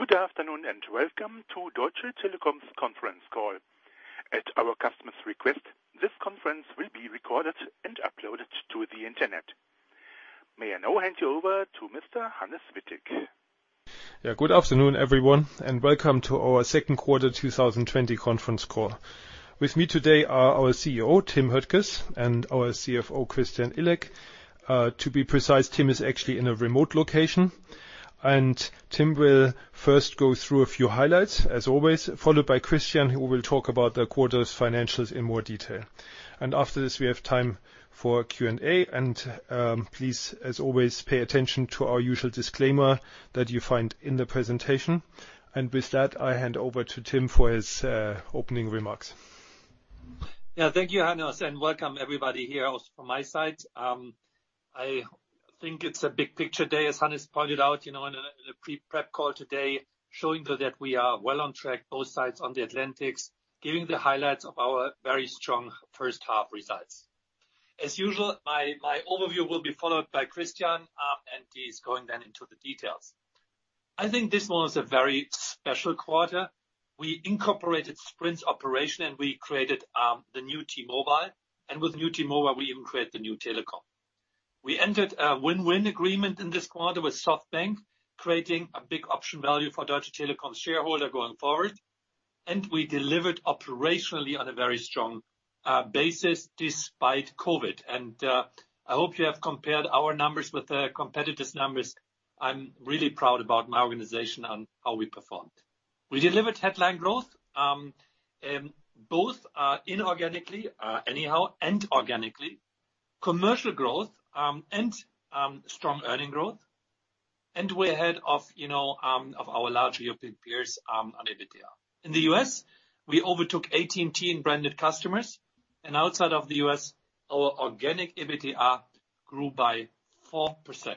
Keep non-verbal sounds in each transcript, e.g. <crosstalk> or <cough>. Good afternoon, welcome to Deutsche Telekom's Conference Call. At our customer's request, this conference will be recorded and uploaded to the Internet. May I now hand you over to Mr. Hannes Wittig. Yeah. Good afternoon, everyone, Welcome to our Second Quarter 2020 Conference Call. With me today are our CEO, Tim Höttges, and our CFO, Christian Illek. To be precise, Tim is actually in a remote location. Tim will first go through a few highlights, as always, followed by Christian, who will talk about the quarter's financials in more detail. After this, we have time for Q&A. Please, as always, pay attention to our usual disclaimer that you find in the presentation. With that, I hand over to Tim for his opening remarks. Thank you, Hannes, and welcome everybody here also from my side. I think it's a big picture day, as Hannes pointed out in the pre-prep call today, showing that we are well on track, both sides on the Atlantic, giving the highlights of our very strong first half results. As usual, my overview will be followed by Christian, and he's going then into the details. I think this one is a very special quarter. We incorporated Sprint's operation, and we created the new T-Mobile. With new T-Mobile, we even create the new Telekom. We entered a win-win agreement in this quarter with SoftBank, creating a big option value for Deutsche Telekom shareholder going forward. We delivered operationally on a very strong basis despite COVID. I hope you have compared our numbers with the competitors' numbers. I'm really proud about my organization and how we performed. We delivered headline growth, both inorganically, anyhow, and organically, commercial growth, and strong earnings growth. We're ahead of our large European peers on EBITDA. In the U.S., we overtook AT&T in branded customers, and outside of the U.S., our organic EBITDA grew by 4%.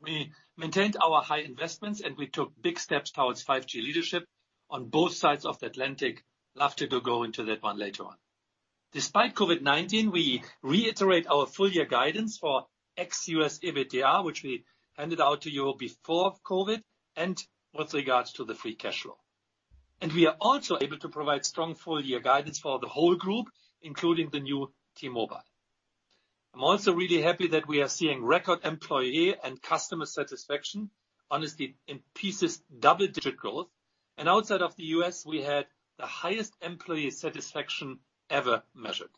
We maintained our high investments, and we took big steps towards 5G leadership on both sides of the Atlantic. Love to go into that one later on. Despite COVID-19, we reiterate our full year guidance for ex-U.S. EBITDA, which we handed out to you before COVID, and with regards to the free cash flow. We are also able to provide strong full year guidance for the whole group, including the new T-Mobile. I'm also really happy that we are seeing record employee and customer satisfaction, honestly, in pieces double-digit growth. Outside of the U.S., we had the highest employee satisfaction ever measured.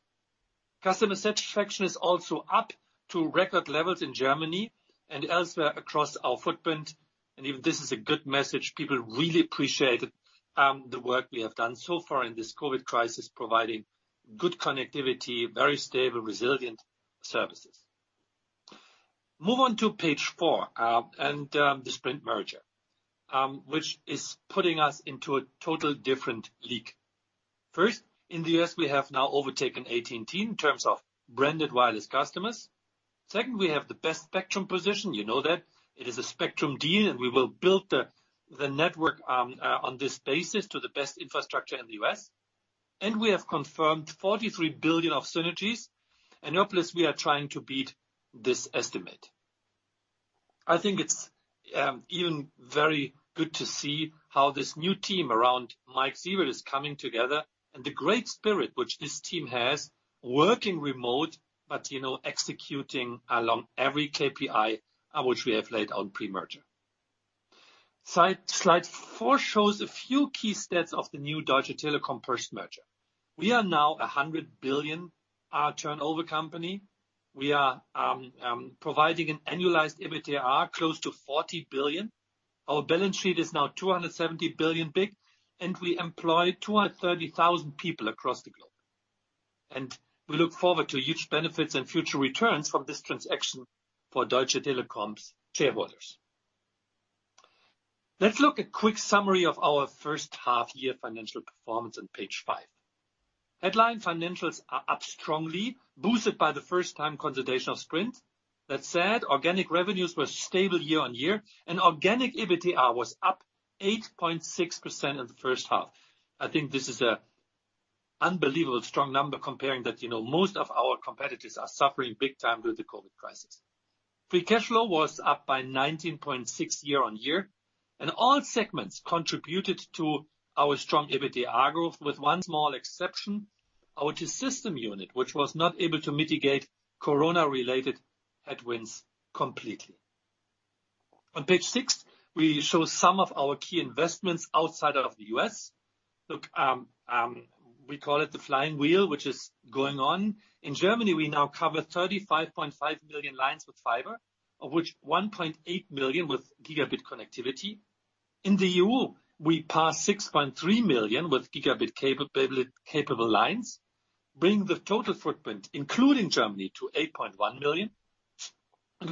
Customer satisfaction is also up to record levels in Germany and elsewhere across our footprint. If this is a good message, people really appreciated the work we have done so far in this COVID crisis, providing good connectivity, very stable, resilient services. Move on to page four and the Sprint merger, which is putting us into a total different league. First, in the U.S., we have now overtaken AT&T in terms of branded wireless customers. Second, we have the best spectrum position. You know that. It is a spectrum deal, we will build the network on this basis to the best infrastructure in the U.S. We have confirmed 43 billion of synergies. Hopefully we are trying to beat this estimate. I think it's even very good to see how this new team around Mike Sievert is coming together and the great spirit which this team has working remote, but executing along every KPI which we have laid on pre-merger. Slide four shows a few key stats of the new Deutsche Telekom post-merger. We are now 100 billion, our turnover company. We are providing an annualized EBITDA close to 40 billion. Our balance sheet is now 270 billion big, and we employ 230,000 people across the globe. We look forward to huge benefits and future returns from this transaction for Deutsche Telekom's shareholders. Let's look a quick summary of our first half year financial performance on page five. Headline financials are up strongly, boosted by the first time consolidation of Sprint. That said, organic revenues were stable year on year, and organic EBITDA was up 8.6% in the first half. I think this is an unbelievably strong number comparing that most of our competitors are suffering big time due to COVID crisis. Free cash flow was up by 19.6% year-on-year, and all segments contributed to our strong EBITDA growth with one small exception, our T-Systems unit, which was not able to mitigate COVID-related headwinds completely. On page six, we show some of our key investments outside of the U.S. Look, we call it the flying wheel, which is going on. In Germany, we now cover 35.5 million lines with fiber, of which 1.8 million with Gb connectivity. In the EU, we pass 6.3 million with Gb capable lines, bringing the total footprint, including Germany, to 8.1 million.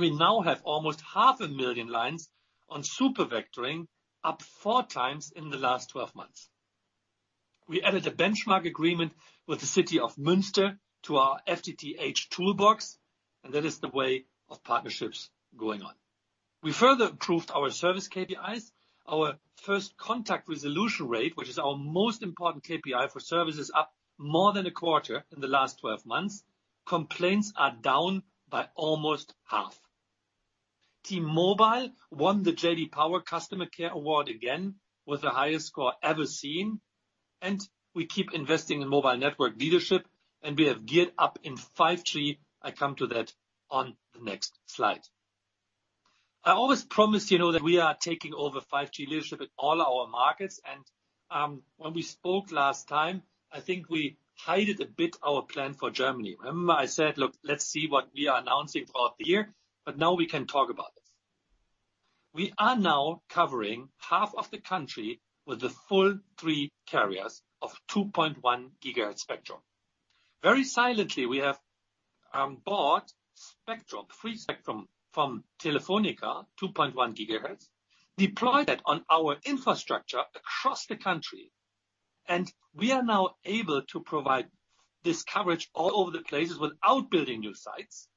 We now have almost half a million lines on super vectoring, up four times in the last 12 months. We added a benchmark agreement with the city of Münster to our FTTH toolbox. That is the way of partnerships going on. We further improved our service KPIs. Our first contact resolution rate, which is our most important KPI for service, is up more than a quarter in the last 12 months. Complaints are down by almost half. T-Mobile won the J.D. Power Customer Care Award again with the highest score ever seen. We keep investing in mobile network leadership. We have geared up in 5G. I come to that on the next slide. I always promise you that we are taking over 5G leadership in all our markets. When we spoke last time, I think we hid it a bit our plan for Germany. Remember I said, "Look, let's see what we are announcing throughout the year." Now we can talk about it. We are now covering half of the country with the full three carriers of 2.1 GHz spectrum. Very silently, we have bought spectrum, free spectrum from Telefónica, 2.1 GHz, deployed that on our infrastructure across the country. We are now able to provide this coverage all over the places without building new sites.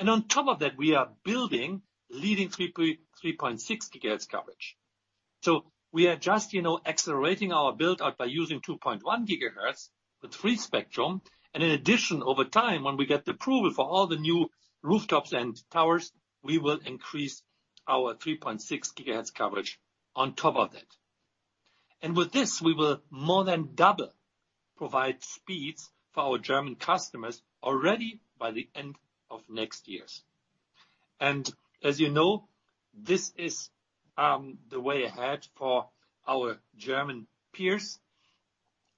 On top of that, we are building leading 3.6 GHz coverage. We are just accelerating our build-out by using 2.1 GHz with free spectrum. In addition, over time, when we get the approval for all the new rooftops and towers, we will increase our 3.6 GHz coverage on top of that. With this, we will more than double provide speeds for our German customers already by the end of next year. As you know, this is the way ahead for our German peers.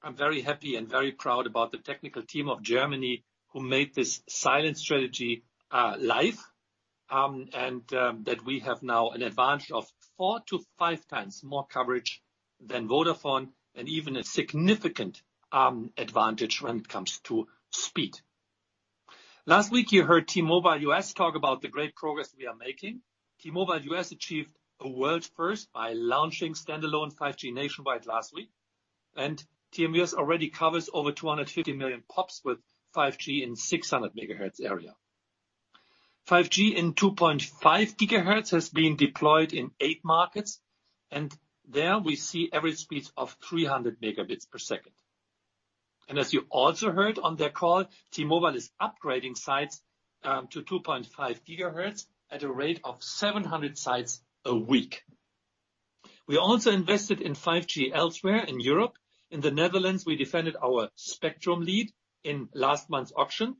I'm very happy and very proud about the technical team of Germany who made this silent strategy live, that we have now an advantage of four to five times more coverage than Vodafone and even a significant advantage when it comes to speed. Last week, you heard T-Mobile U.S., talk about the great progress we are making. T-Mobile U.S., achieved a world first by launching standalone 5G nationwide last week, TMUS already covers over 250 million pops with 5G in 600 megahertz area. 5G in 2.5 GHz has been deployed in eight markets, there we see average speeds of 300 megabits per second. As you also heard on their call, T-Mobile is upgrading sites to 2.5 GHz at a rate of 700 sites a week. We also invested in 5G elsewhere in Europe. In the Netherlands, we defended our spectrum lead in last month's auction.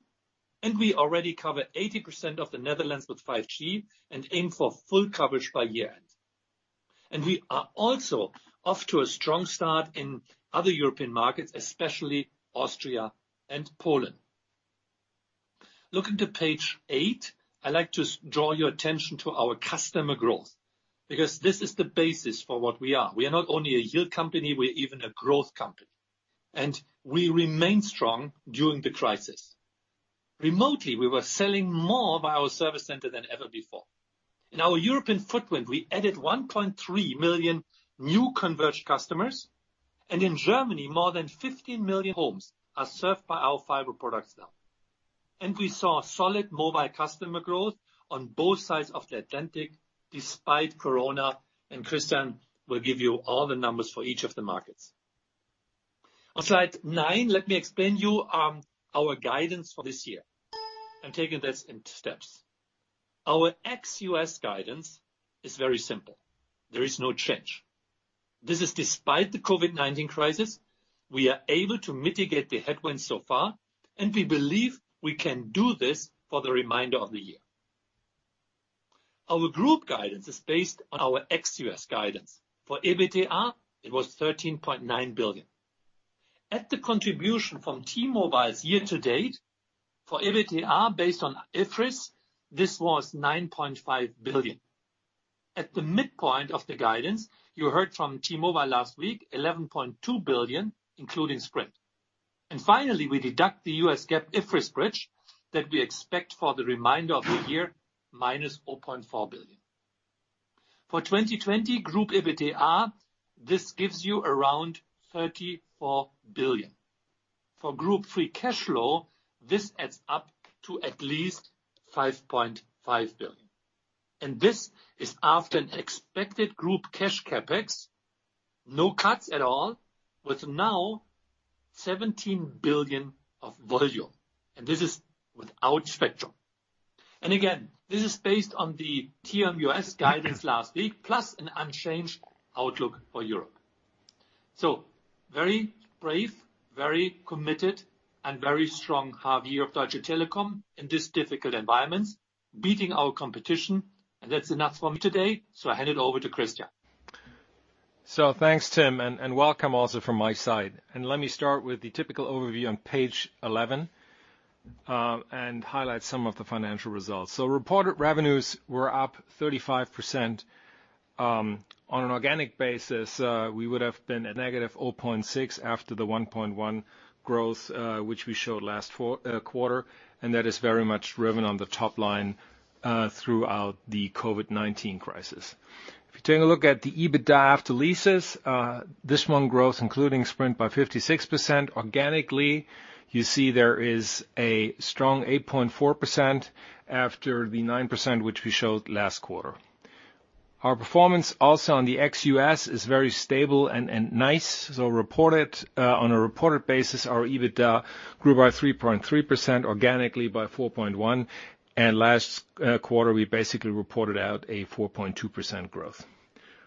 We already cover 80% of the Netherlands with 5G and aim for full coverage by year-end. We are also off to a strong start in other European markets, especially Austria and Poland. Looking to page eight, I like to draw your attention to our customer growth because this is the basis for what we are. We are not only a yield company, we're even a growth company. We remain strong during the crisis. Remotely, we were selling more by our service center than ever before. In our European footprint, we added 1.3 million new converged customers. In Germany, more than 15 million homes are served by our fiber products now. We saw solid mobile customer growth on both sides of the Atlantic despite corona, Christian will give you all the numbers for each of the markets. On slide nine, let me explain you our guidance for this year. I'm taking this in steps. Our DT ex-U.S. guidance is very simple. There is no change. This is despite the COVID-19 crisis. We are able to mitigate the headwinds so far, and we believe we can do this for the remainder of the year. Our group guidance is based on our DT ex-U.S. guidance. For EBITDA, it was 13.9 billion. At the contribution from T-Mobile's year to date for EBITDA based on IFRS, this was 9.5 billion. At the midpoint of the guidance, you heard from T-Mobile last week, 11.2 billion, including Sprint. Finally, we deduct the US GAAP IFRS bridge that we expect for the remainder of the year minus 0.4 billion. For 2020 Group EBITDA, this gives you around 34 billion. For Group free cash flow, this adds up to at least 5.5 billion. This is after an expected Group cash CapEx, no cuts at all, with now 17 billion of volume. This is without spectrum. Again, this is based on the TMUS guidance last week, plus an unchanged outlook for Europe. Very brave, very committed, and very strong half year of Deutsche Telekom in this difficult environment, beating our competition. That's enough for me today. I hand it over to Christian. Thanks, Tim, and welcome also from my side. Let me start with the typical overview on page 11, and highlight some of the financial results. Reported revenues were up 35%. On an organic basis, we would have been a negative 0.6% after the 1.1% growth, which we showed last quarter. That is very much driven on the top line throughout the COVID-19 crisis. If you take a look at the EBITDA after leases, this one growth including Sprint by 56%. Organically, you see there is a strong 8.4% after the 9%, which we showed last quarter. Our performance also on the DT ex-U.S. is very stable and nice. On a reported basis, our EBITDA grew by 3.3%, organically by 4.1%, and last quarter, we basically reported out a 4.2% growth.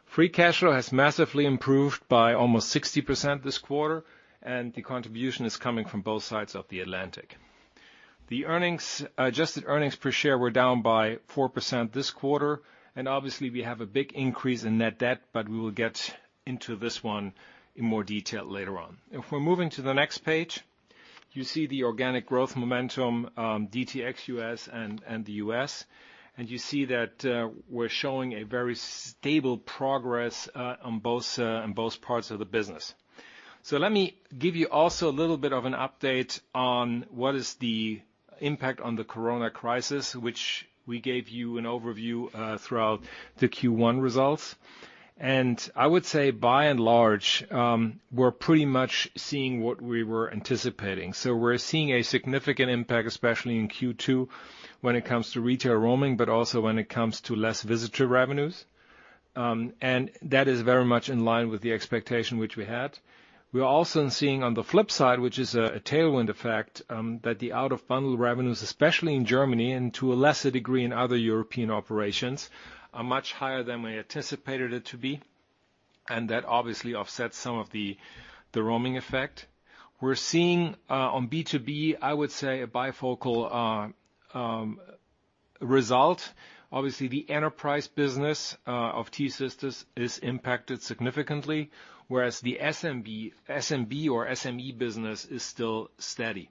Free cash flow has massively improved by almost 60% this quarter. The contribution is coming from both sides of the Atlantic. The adjusted earnings per share were down by 4% this quarter. Obviously, we have a big increase in net debt, we will get into this one in more detail later on. If we're moving to the next page, you see the organic growth momentum, DT ex-U.S. and the U.S. You see that we're showing a very stable progress in both parts of the business. Let me give you also a little bit of an update on what is the impact on the coronavirus crisis, which we gave you an overview throughout the Q1 results. I would say, by and large, we're pretty much seeing what we were anticipating. We're seeing a significant impact, especially in Q2, when it comes to retail roaming, but also when it comes to less visitor revenues, and that is very much in line with the expectation which we had. We are also seeing on the flip side, which is a tailwind effect, that the out-of-bundle revenues, especially in Germany and to a lesser degree in other European operations, are much higher than we anticipated it to be, and that obviously offsets some of the roaming effect. We're seeing on B2B, I would say a bifocal result. Obviously, the enterprise business of T-Systems is impacted significantly, whereas the SMB or SME business is still steady.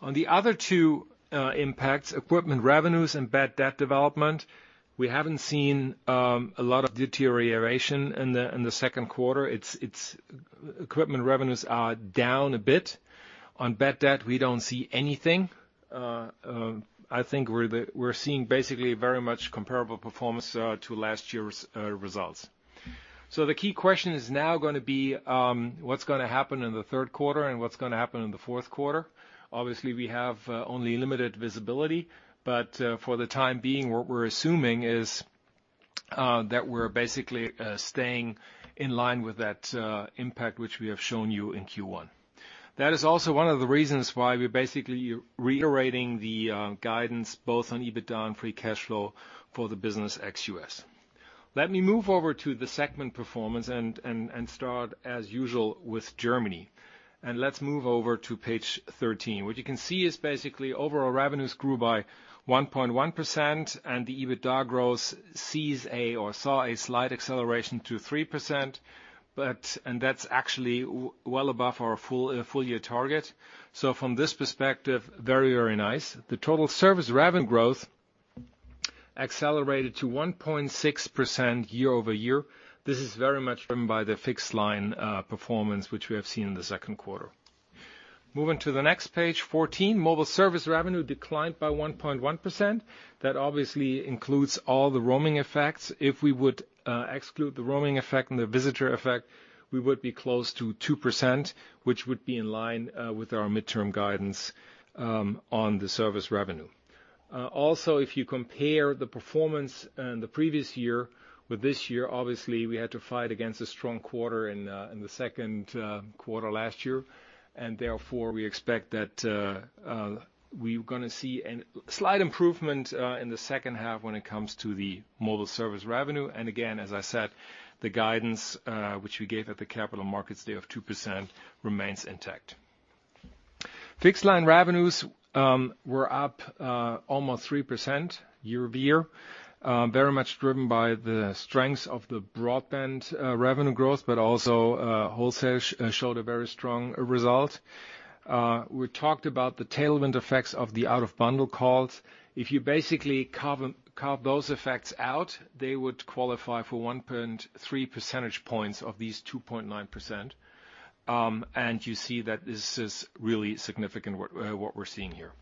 On the other two impacts, equipment revenues and bad debt development, we haven't seen a lot of deterioration in the second quarter. Equipment revenues are down a bit. On bad debt, we don't see anything. I think we're seeing basically very much comparable performance to last year's results. The key question is now going to be, what's going to happen in the third quarter and what's going to happen in the fourth quarter? Obviously, we have only limited visibility, but for the time being, what we're assuming is that we're basically staying in line with that impact, which we have shown you in Q1. That is also one of the reasons why we're basically reiterating the guidance both on EBITDA and free cash flow for the business ex-U.S. Let me move over to the segment performance and start as usual with Germany. Let's move over to page 13. What you can see is basically overall revenues grew by 1.1% and the EBITDA growth saw a slight acceleration to 3%, and that's actually well above our full year target. From this perspective, very nice. The total service revenue growth accelerated to 1.6% year-over-year. This is very much driven by the fixed line performance, which we have seen in the second quarter. Moving to the next page, 14, mobile service revenue declined by 1.1%. That obviously includes all the roaming effects. If we would exclude the roaming effect and the visitor effect, we would be close to 2%, which would be in line with our midterm guidance on the service revenue. If you compare the performance in the previous year with this year, obviously, we had to fight against a strong quarter in the second quarter last year, and therefore, we expect that we're going to see a slight improvement in the second half when it comes to the mobile service revenue. Again, as I said, the guidance, which we gave at the Capital Markets Day of 2%, remains intact. Fixed line revenues were up almost 3% year-over-year, very much driven by the strength of the broadband revenue growth, but also wholesale showed a very strong result. We talked about the tailwind effects of the out-of-bundle calls. If you basically carve those effects out, they would qualify for 1.3 percentage points of these 2.9%, and you see that this is really significant, what we're seeing here.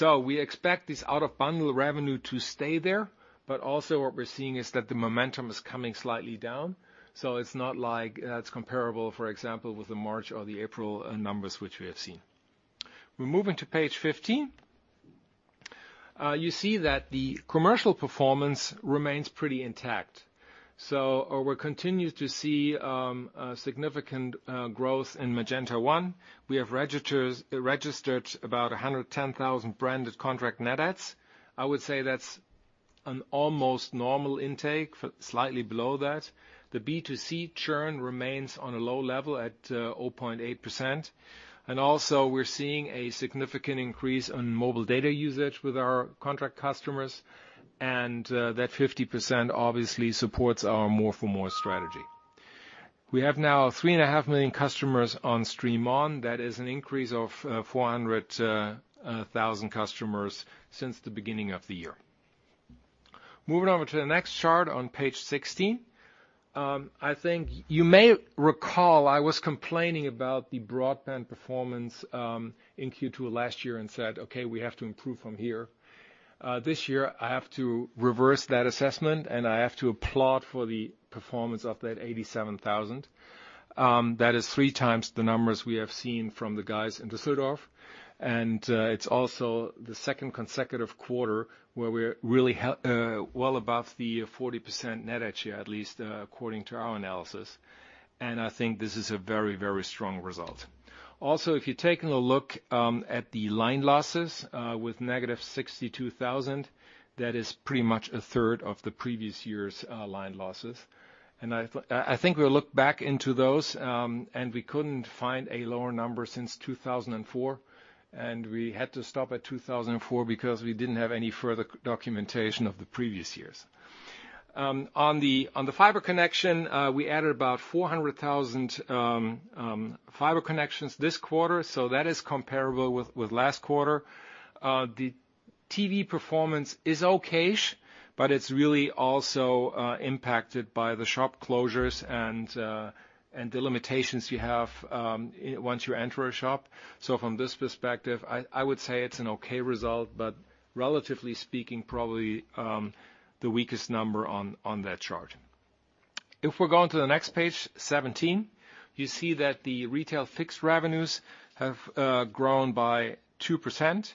We expect this out-of-bundle revenue to stay there, but also what we're seeing is that the momentum is coming slightly down. It's not like it's comparable, for example, with the March or the April numbers, which we have seen. We're moving to page 15. You see that the commercial performance remains pretty intact. We continue to see significant growth in Magenta One. We have registered about 110,000 branded contract net adds. I would say that's an almost normal intake, slightly below that. The B2C churn remains on a low level at 0.8%, and also we're seeing a significant increase in mobile data usage with our contract customers, and that 50% obviously supports our More for More strategy. We have now three and a half million customers on StreamOn. That is an increase of 400,000 customers since the beginning of the year. Moving over to the next chart on page 16. I think you may recall I was complaining about the broadband performance in Q2 last year and said, "Okay, we have to improve from here." This year, I have to reverse that assessment, and I have to applaud for the performance of that 87,000. That is three times the numbers we have seen from the guys in Düsseldorf, and it's also the second consecutive quarter where we're really well above the 40% net add share, at least according to our analysis. I think this is a very, very strong result. Also, if you're taking a look at the line losses with negative 62,000, that is pretty much a third of the previous year's line losses. I think we'll look back into those, and we couldn't find a lower number since 2004, and we had to stop at 2004 because we didn't have any further documentation of the previous years. On the fiber connection, we added about 400,000 fiber connections this quarter, so that is comparable with last quarter. The TV performance is okay, but it's really also impacted by the shop closures and the limitations you have once you enter a shop. From this perspective, I would say it's an okay result, but relatively speaking, probably the weakest number on that chart. If we're going to the next page, 17, you see that the retail fixed revenues have grown by 2%,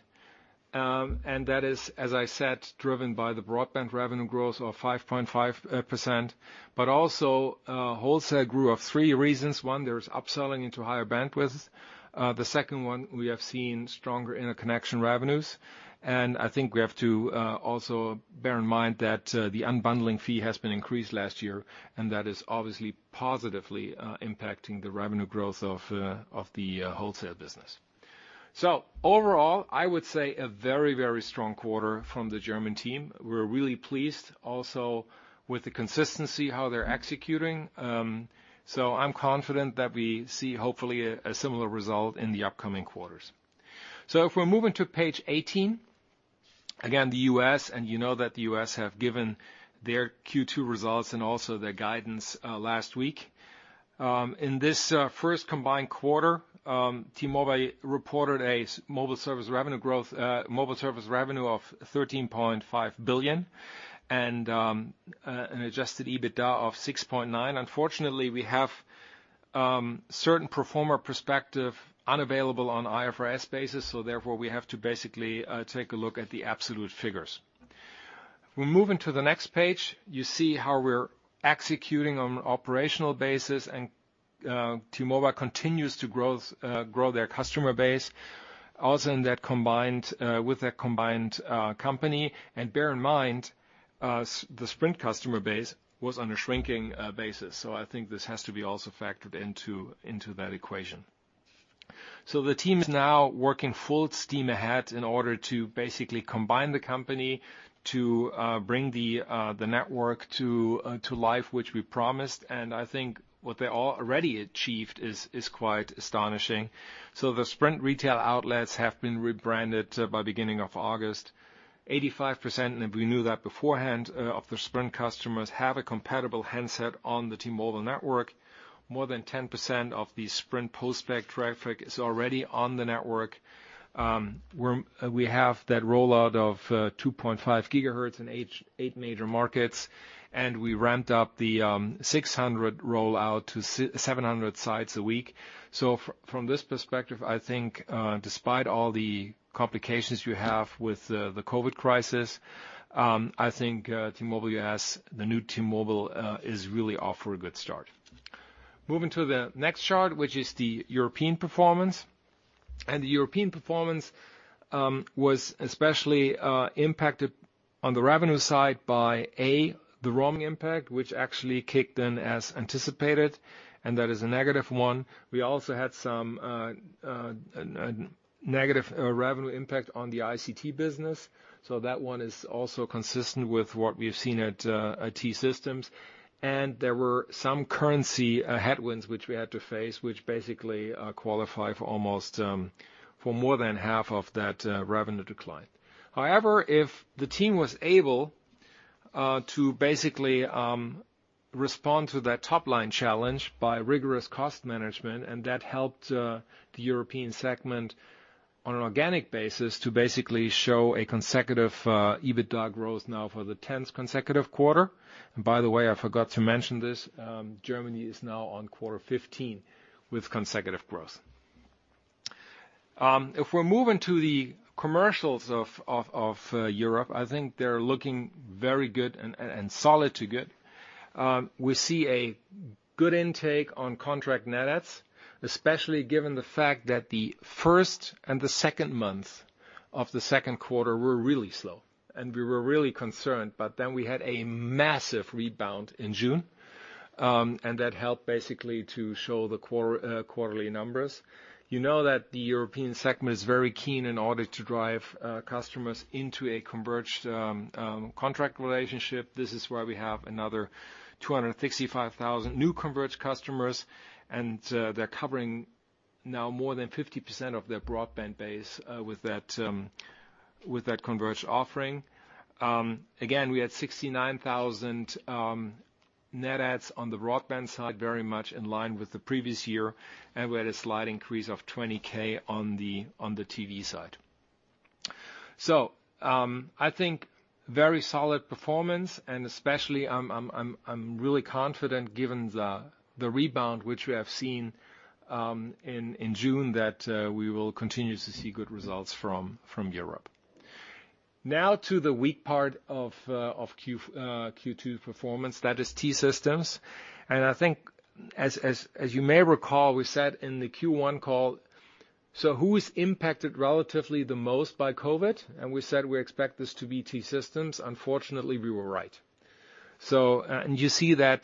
and that is, as I said, driven by the broadband revenue growth of 5.5%, but also wholesale grew of three reasons. One, there's upselling into higher bandwidth. The second one, we have seen stronger interconnection revenues. I think we have to also bear in mind that the unbundling fee has been increased last year, and that is obviously positively impacting the revenue growth of the wholesale business. Overall, I would say a very, very strong quarter from the German team. We're really pleased also with the consistency, how they're executing. I'm confident that we see hopefully a similar result in the upcoming quarters. If we're moving to page 18, again, the U.S., and you know that the U.S. have given their Q2 results and also their guidance last week. In this first combined quarter, T-Mobile reported a mobile service revenue of 13.5 billion and an adjusted EBITDA of 6.9. Unfortunately, we have certain pro forma perspective unavailable on IFRS basis, so therefore, we have to basically take a look at the absolute figures. We're moving to the next page. You see how we're executing on an operational basis. T-Mobile continues to grow their customer base, also with that combined company. Bear in mind, the Sprint customer base was on a shrinking basis. I think this has to be also factored into that equation. The team is now working full steam ahead in order to basically combine the company to bring the network to life, which we promised. I think what they already achieved is quite astonishing. The Sprint retail outlets have been rebranded by beginning of August, 85%, and we knew that beforehand, of the Sprint customers have a compatible handset on the T-Mobile network. More than 10% of the Sprint postpaid traffic is already on the network. We have that rollout of 2.5 GHz in eight major markets, and we ramped up the 600 rollout to 700 sites a week. From this perspective, I think despite all the complications you have with the COVID crisis, I think T-Mobile U.S.,, the new T-Mobile, is really off for a good start. Moving to the next chart, which is the European performance. The European performance was especially impacted on the revenue side by, A, the roaming impact, which actually kicked in as anticipated, and that is a negative one. We also had some negative revenue impact on the ICT business, so that one is also consistent with what we've seen at T-Systems. There were some currency headwinds which we had to face, which basically qualify for more than half of that revenue decline. However, if the team was able to basically respond to that top-line challenge by rigorous cost management, that helped the European segment on an organic basis to basically show a consecutive EBITDA growth now for the 10th consecutive quarter. By the way, I forgot to mention this, Germany is now on quarter 15 with consecutive growth. If we're moving to the commercials of Europe, I think they're looking very good and solid to good. We see a good intake on contract net adds, especially given the fact that the first and the second month of the second quarter were really slow, and we were really concerned, but then we had a massive rebound in June, that helped basically to show the quarterly numbers. You know that the European segment is very keen in order to drive customers into a converged contract relationship. This is why we have another 265,000 new converged customers. They're covering now more than 50% of their broadband base with that converged offering. We had 69,000 net adds on the broadband side, very much in line with the previous year. We had a slight increase of 20,000 on the TV side. I think very solid performance. Especially, I'm really confident given the rebound, which we have seen in June, that we will continue to see good results from Europe. To the weak part of Q2 performance, that is T-Systems. I think, as you may recall, we said in the Q1 call, who is impacted relatively the most by COVID? We said we expect this to be T-Systems. Unfortunately, we were right. You see that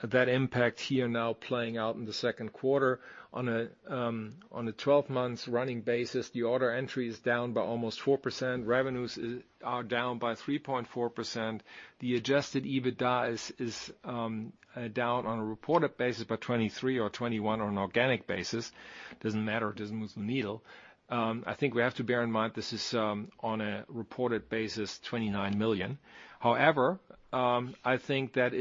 impact here now playing out in the second quarter. On a 12-months running basis, the order entry is down by almost 4%. Revenues are down by 3.4%. The adjusted EBITDA is down on a reported basis by 23 or 21 on an organic basis. Doesn't matter, it doesn't move the needle. I think we have to bear in mind this is on a reported basis, 29 million. I think that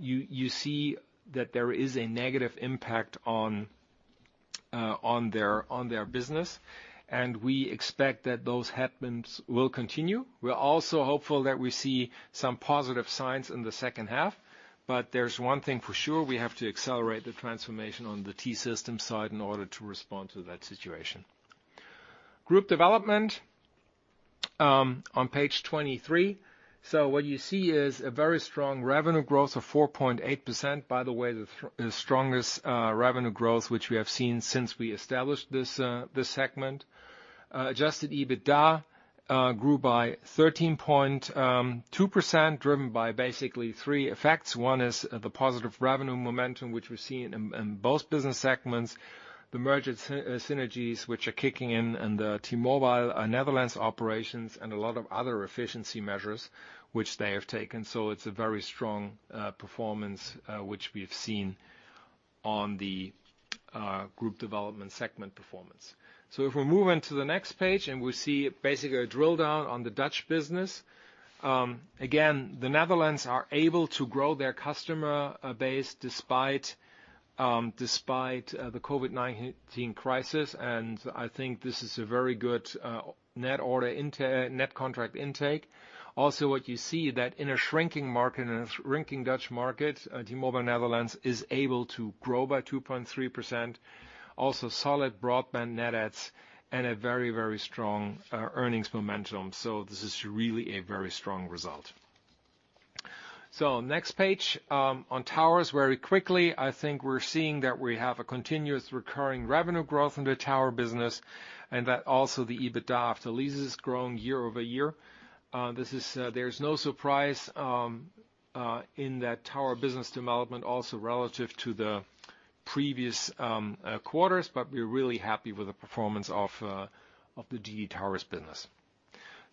you see that there is a negative impact on their business, and we expect that those headwinds will continue. We're also hopeful that we see some positive signs in the second half, but there's one thing for sure, we have to accelerate the transformation on the T-Systems side in order to respond to that situation. Group development, on page 23. What you see is a very strong revenue growth of 4.8%. By the way, the strongest revenue growth which we have seen since we established this segment. Adjusted EBITDA grew by 13.2%, driven by basically three effects. One is the positive revenue momentum, which we're seeing in both business segments, the merger synergies which are kicking in, and the T-Mobile Netherlands operations and a lot of other efficiency measures which they have taken. It's a very strong performance, which we have seen on the group development segment performance. If we move into the next page and we see basically a drill down on the Dutch business. Again, the Netherlands are able to grow their customer base despite the COVID-19 crisis, and I think this is a very good net contract intake. Also, what you see that in a shrinking market, in a shrinking Dutch market, T-Mobile Netherlands is able to grow by 2.3%. Also, solid broadband net adds and a very, very strong earnings momentum. This is really a very strong result. Next page, on towers, very quickly, I think we are seeing that we have a continuous recurring revenue growth in the tower business, and that also the EBITDA after leases is growing year-over-year. There is no surprise in that tower business development also relative to the previous quarters, but we are really happy with the performance of the GD Towers business.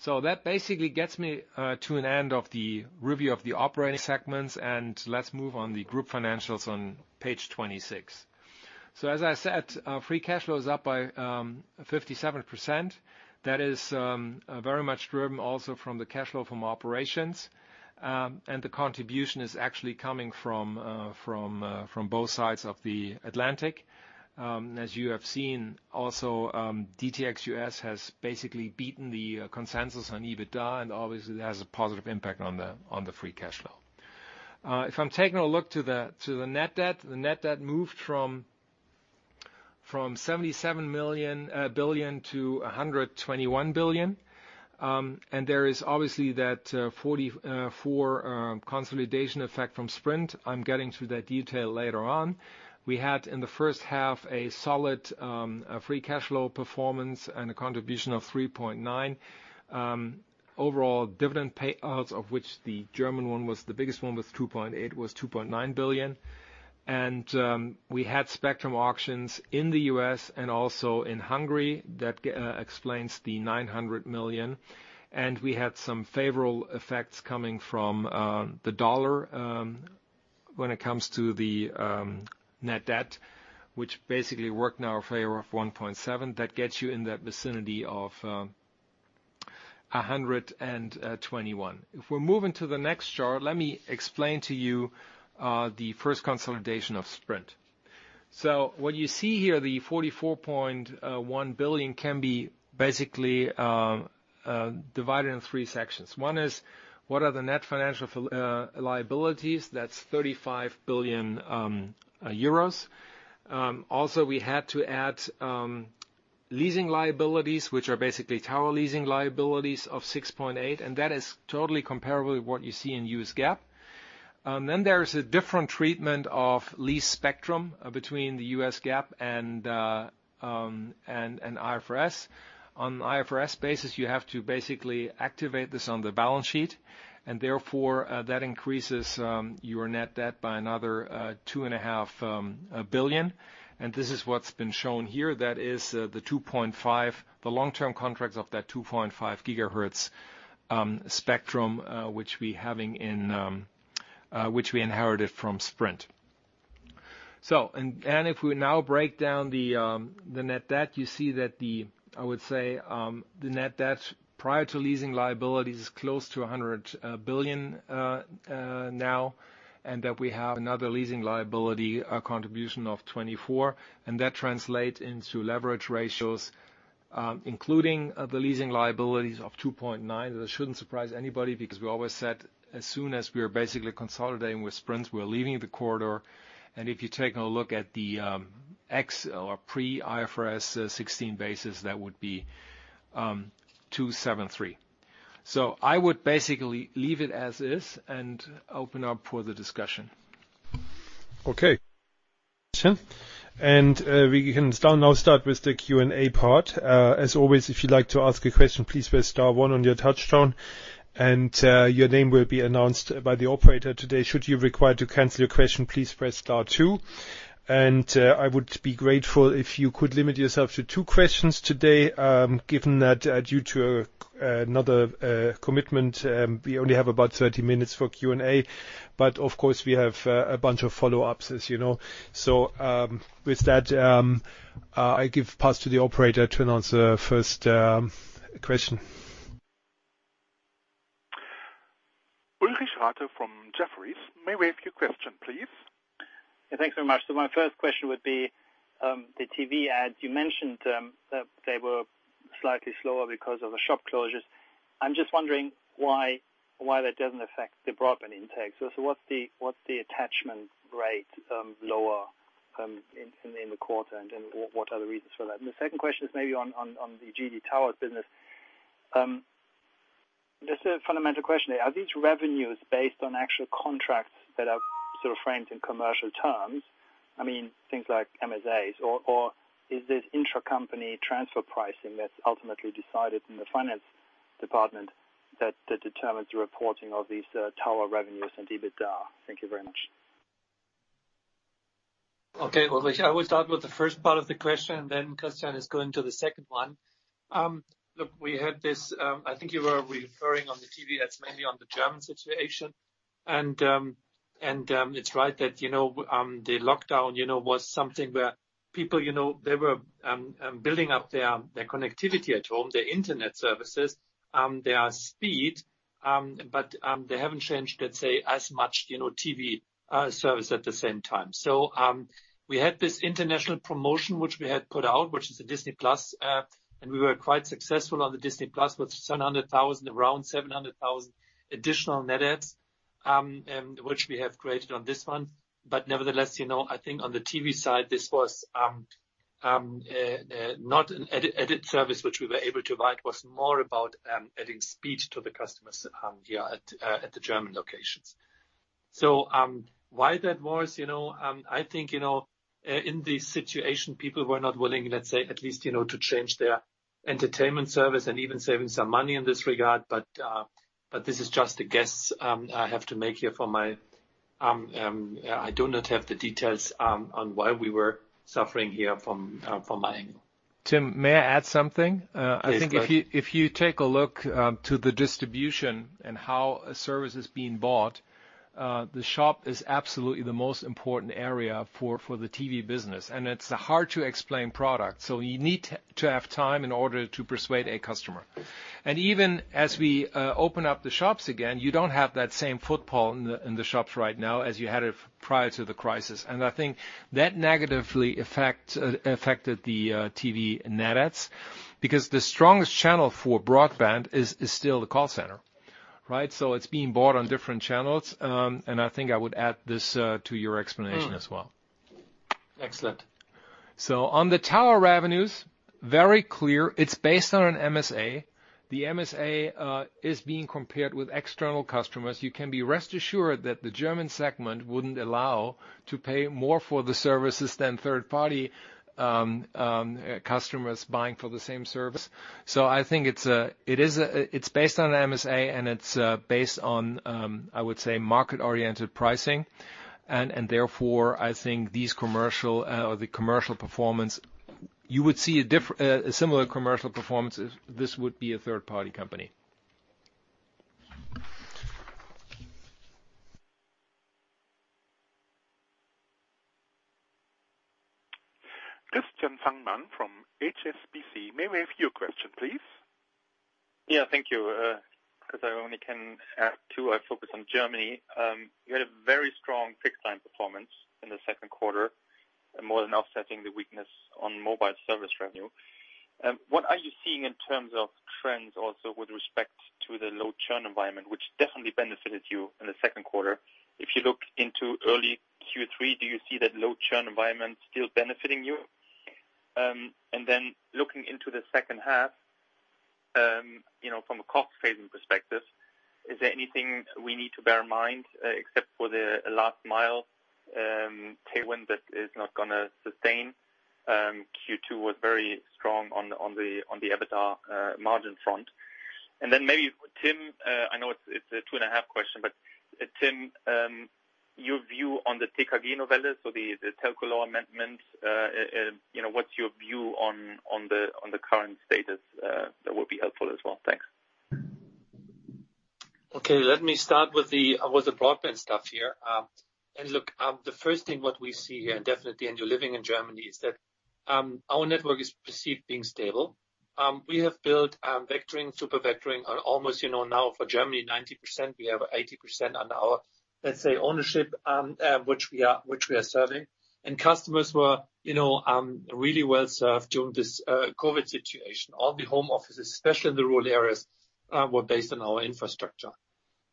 That basically gets me to an end of the review of the operating segments, and let us move on the group financials on page 26. As I said, free cash flow is up by 57%. That is very much driven also from the cash flow from operations. The contribution is actually coming from both sides of the Atlantic. As you have seen also, DT ex-US has basically beaten the consensus on EBITDA and obviously has a positive impact on the free cash flow. If I'm taking a look to the net debt, the net debt moved from 77 billion to 121 billion. There is obviously that 44 consolidation effect from Sprint. I'm getting to that detail later on. We had, in the first half, a solid free cash flow performance and a contribution of 3.9. Overall dividend payouts, of which the German one was the biggest one, was 2.9 billion. We had spectrum auctions in the U.S. and also in Hungary. That explains the 900 million. We had some favorable effects coming from the dollar, when it comes to the net debt, which basically worked in our favor of 1.7. That gets you in that vicinity of $121. If we move into the next chart, let me explain to you the first consolidation of Sprint. What you see here, the 44.1 billion can be basically divided in three sections. One is, what are the net financial liabilities? That's 35 billion euros. We had to add leasing liabilities, which are basically tower leasing liabilities of 6.8 billion, and that is totally comparable to what you see in US GAAP. There's a different treatment of lease spectrum between the US GAAP and IFRS. On an IFRS basis, you have to basically activate this on the balance sheet, therefore, that increases your net debt by another 2.5 billion. This is what's been shown here. That is the 2.5, the long-term contracts of that 2.5 GHz spectrum, which we inherited from Sprint. If we now break down the net debt, you see that the, I would say, the net debt prior to leasing liabilities, close to 100 billion now, we have another leasing liability contribution of 24 billion. That translates into leverage ratios, including the leasing liabilities of 2.9. That shouldn't surprise anybody because we always said as soon as we are basically consolidating with Sprint, we're leaving the corridor. If you take a look at the ex or pre-IFRS 16 basis, that would be 273. I would basically leave it as is and open up for the discussion. Okay. We can now start with the Q&A part. As always, if you'd like to ask a question, please press star one on your touch tone and your name will be announced by the operator today. Should you require to cancel your question, please press star two. I would be grateful if you could limit yourself to two questions today, given that due to another commitment, we only have about 30 minutes for Q&A. Of course, we have a bunch of follow-ups as you know. With that, I give pass to the operator to announce the first question. Ulrich Rathe from Jefferies. May we have your question, please? My first question would be, the TV ads you mentioned, that they were slightly slower because of the shop closures. I'm just wondering why that doesn't affect the broadband intake. What's the attachment rate lower in the quarter, what are the reasons for that? The second question is maybe on the GD Towers business. Just a fundamental question. Are these revenues based on actual contracts that are sort of framed in commercial terms, things like MSAs? Or is this intracompany transfer pricing that's ultimately decided in the finance department that determines the reporting of these tower revenues and EBITDA? Thank you very much. Okay, Ulrich. I will start with the first part of the question, then Christian is going to the second one. Look, we had this, I think you were referring on the TV ads mainly on the German situation. It's right that the lockdown was something where people, they were building up their connectivity at home, their Internet services, their speed. They haven't changed, let's say, as much TV service at the same time. We had this international promotion, which we had put out, which is the Disney+. We were quite successful on the Disney+ with around 700,000 additional net adds, which we have created on this one. Nevertheless, I think on the TV side, this was not an added service which we were able to provide. It was more about adding speed to the customers here at the German locations. Why that was? I think, in this situation, people were not willing, let's say, at least to change their entertainment service and even saving some money in this regard. This is just a guess I have to make here. I do not have the details on why we were suffering here from my angle. Tim, may I add something? Please go ahead. I think if you take a look to the distribution and how a service is being bought, the shop is absolutely the most important area for the TV business. It's a hard-to-explain product, so you need to have time in order to persuade a customer. Even as we open up the shops again, you don't have that same footfall in the shops right now as you had it prior to the crisis. I think that negatively affected the TV net adds, because the strongest channel for broadband is still the call center. It's being bought on different channels. I think I would add this to your explanation as well. Excellent. On the tower revenues, very clear. It's based on an MSA. The MSA is being compared with external customers. You can be rest assured that the German segment wouldn't allow to pay more for the services than third-party customers buying for the same service. I think it's based on an MSA and it's based on, I would say, market-oriented pricing. Therefore, I think the commercial performance, you would see a similar commercial performance if this would be a third-party company. Christian Fangmann from HSBC. May we have your question, please? Yeah, thank you. Because I only can add two, I focus on Germany. You had a very strong fixed line performance in the second quarter, more than offsetting the weakness on mobile service revenue. What are you seeing in terms of trends also with respect to the low churn environment, which definitely benefited you in the second quarter? If you look into early Q3, do you see that low churn environment still benefiting you? Looking into the second half, from a cost saving perspective, is there anything we need to bear in mind except for the last mile tailwind that is not going to sustain? Q2 was very strong on the EBITDA margin front. Maybe Tim, I know it's a two-and-a-half question, but Tim, your view on the TK Novelle, so the telecom law amendment. What's your view on the current status? That would be helpful as well. Thanks. Okay, let me start with the broadband stuff here. Look, the first thing what we see here definitely, and you're living in Germany, is that our network is perceived being stable. We have built vectoring, super vectoring on almost now for Germany, 90%, we have 80% on our, let's say, ownership which we are serving. Customers were really well served during this COVID situation. All the home offices, especially in the rural areas, were based on our infrastructure.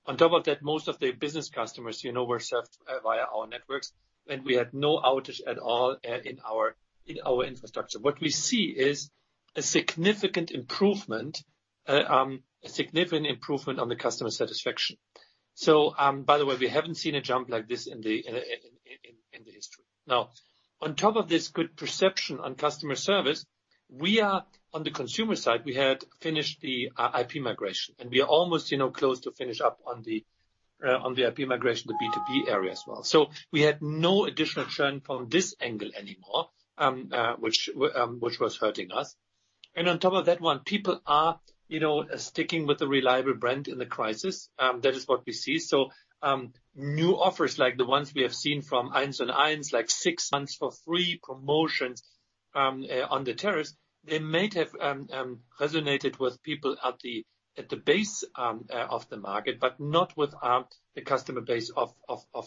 On top of that, most of the business customers were served via our networks, and we had no outage at all in our infrastructure. What we see is a significant improvement on the customer satisfaction. By the way, we haven't seen a jump like this in the history. On top of this good perception on customer service, we are on the consumer side, we had finished the IP migration. We are almost close to finish up on the IP migration, the B2B area as well. We had no additional churn from this angle anymore, which was hurting us. On top of that one, people are sticking with the reliable brand in the crisis. That is what we see. New offers like the ones we have seen from 1&1, like six months for free promotions on the tariffs, they might have resonated with people at the base of the market, but not with the customer base of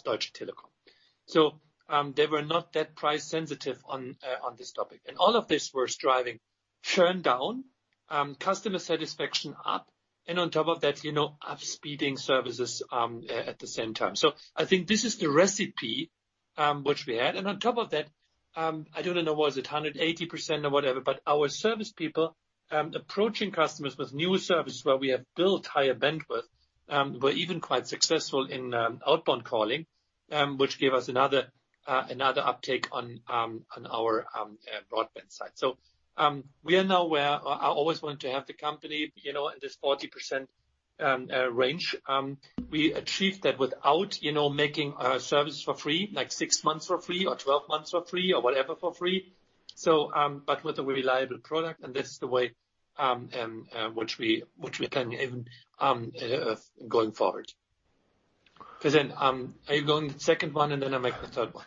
Deutsche Telekom. They were not that price sensitive on this topic. All of this was driving churn down, customer satisfaction up, and on top of that, up-speeding services at the same time. I think this is the recipe, which we had. On top of that, I don't know, was it 180% or whatever, but our service people approaching customers with new services where we have built higher bandwidth, were even quite successful in outbound calling, which gave us another uptake on our broadband side. We are now where I always want to have the company, in this 40% range. We achieved that without making our services for free, like six months for free or 12 months for free or whatever for free. With a reliable product, and this is the way which we can even going forward. Christian, are you going the second one and then I'll make the third one.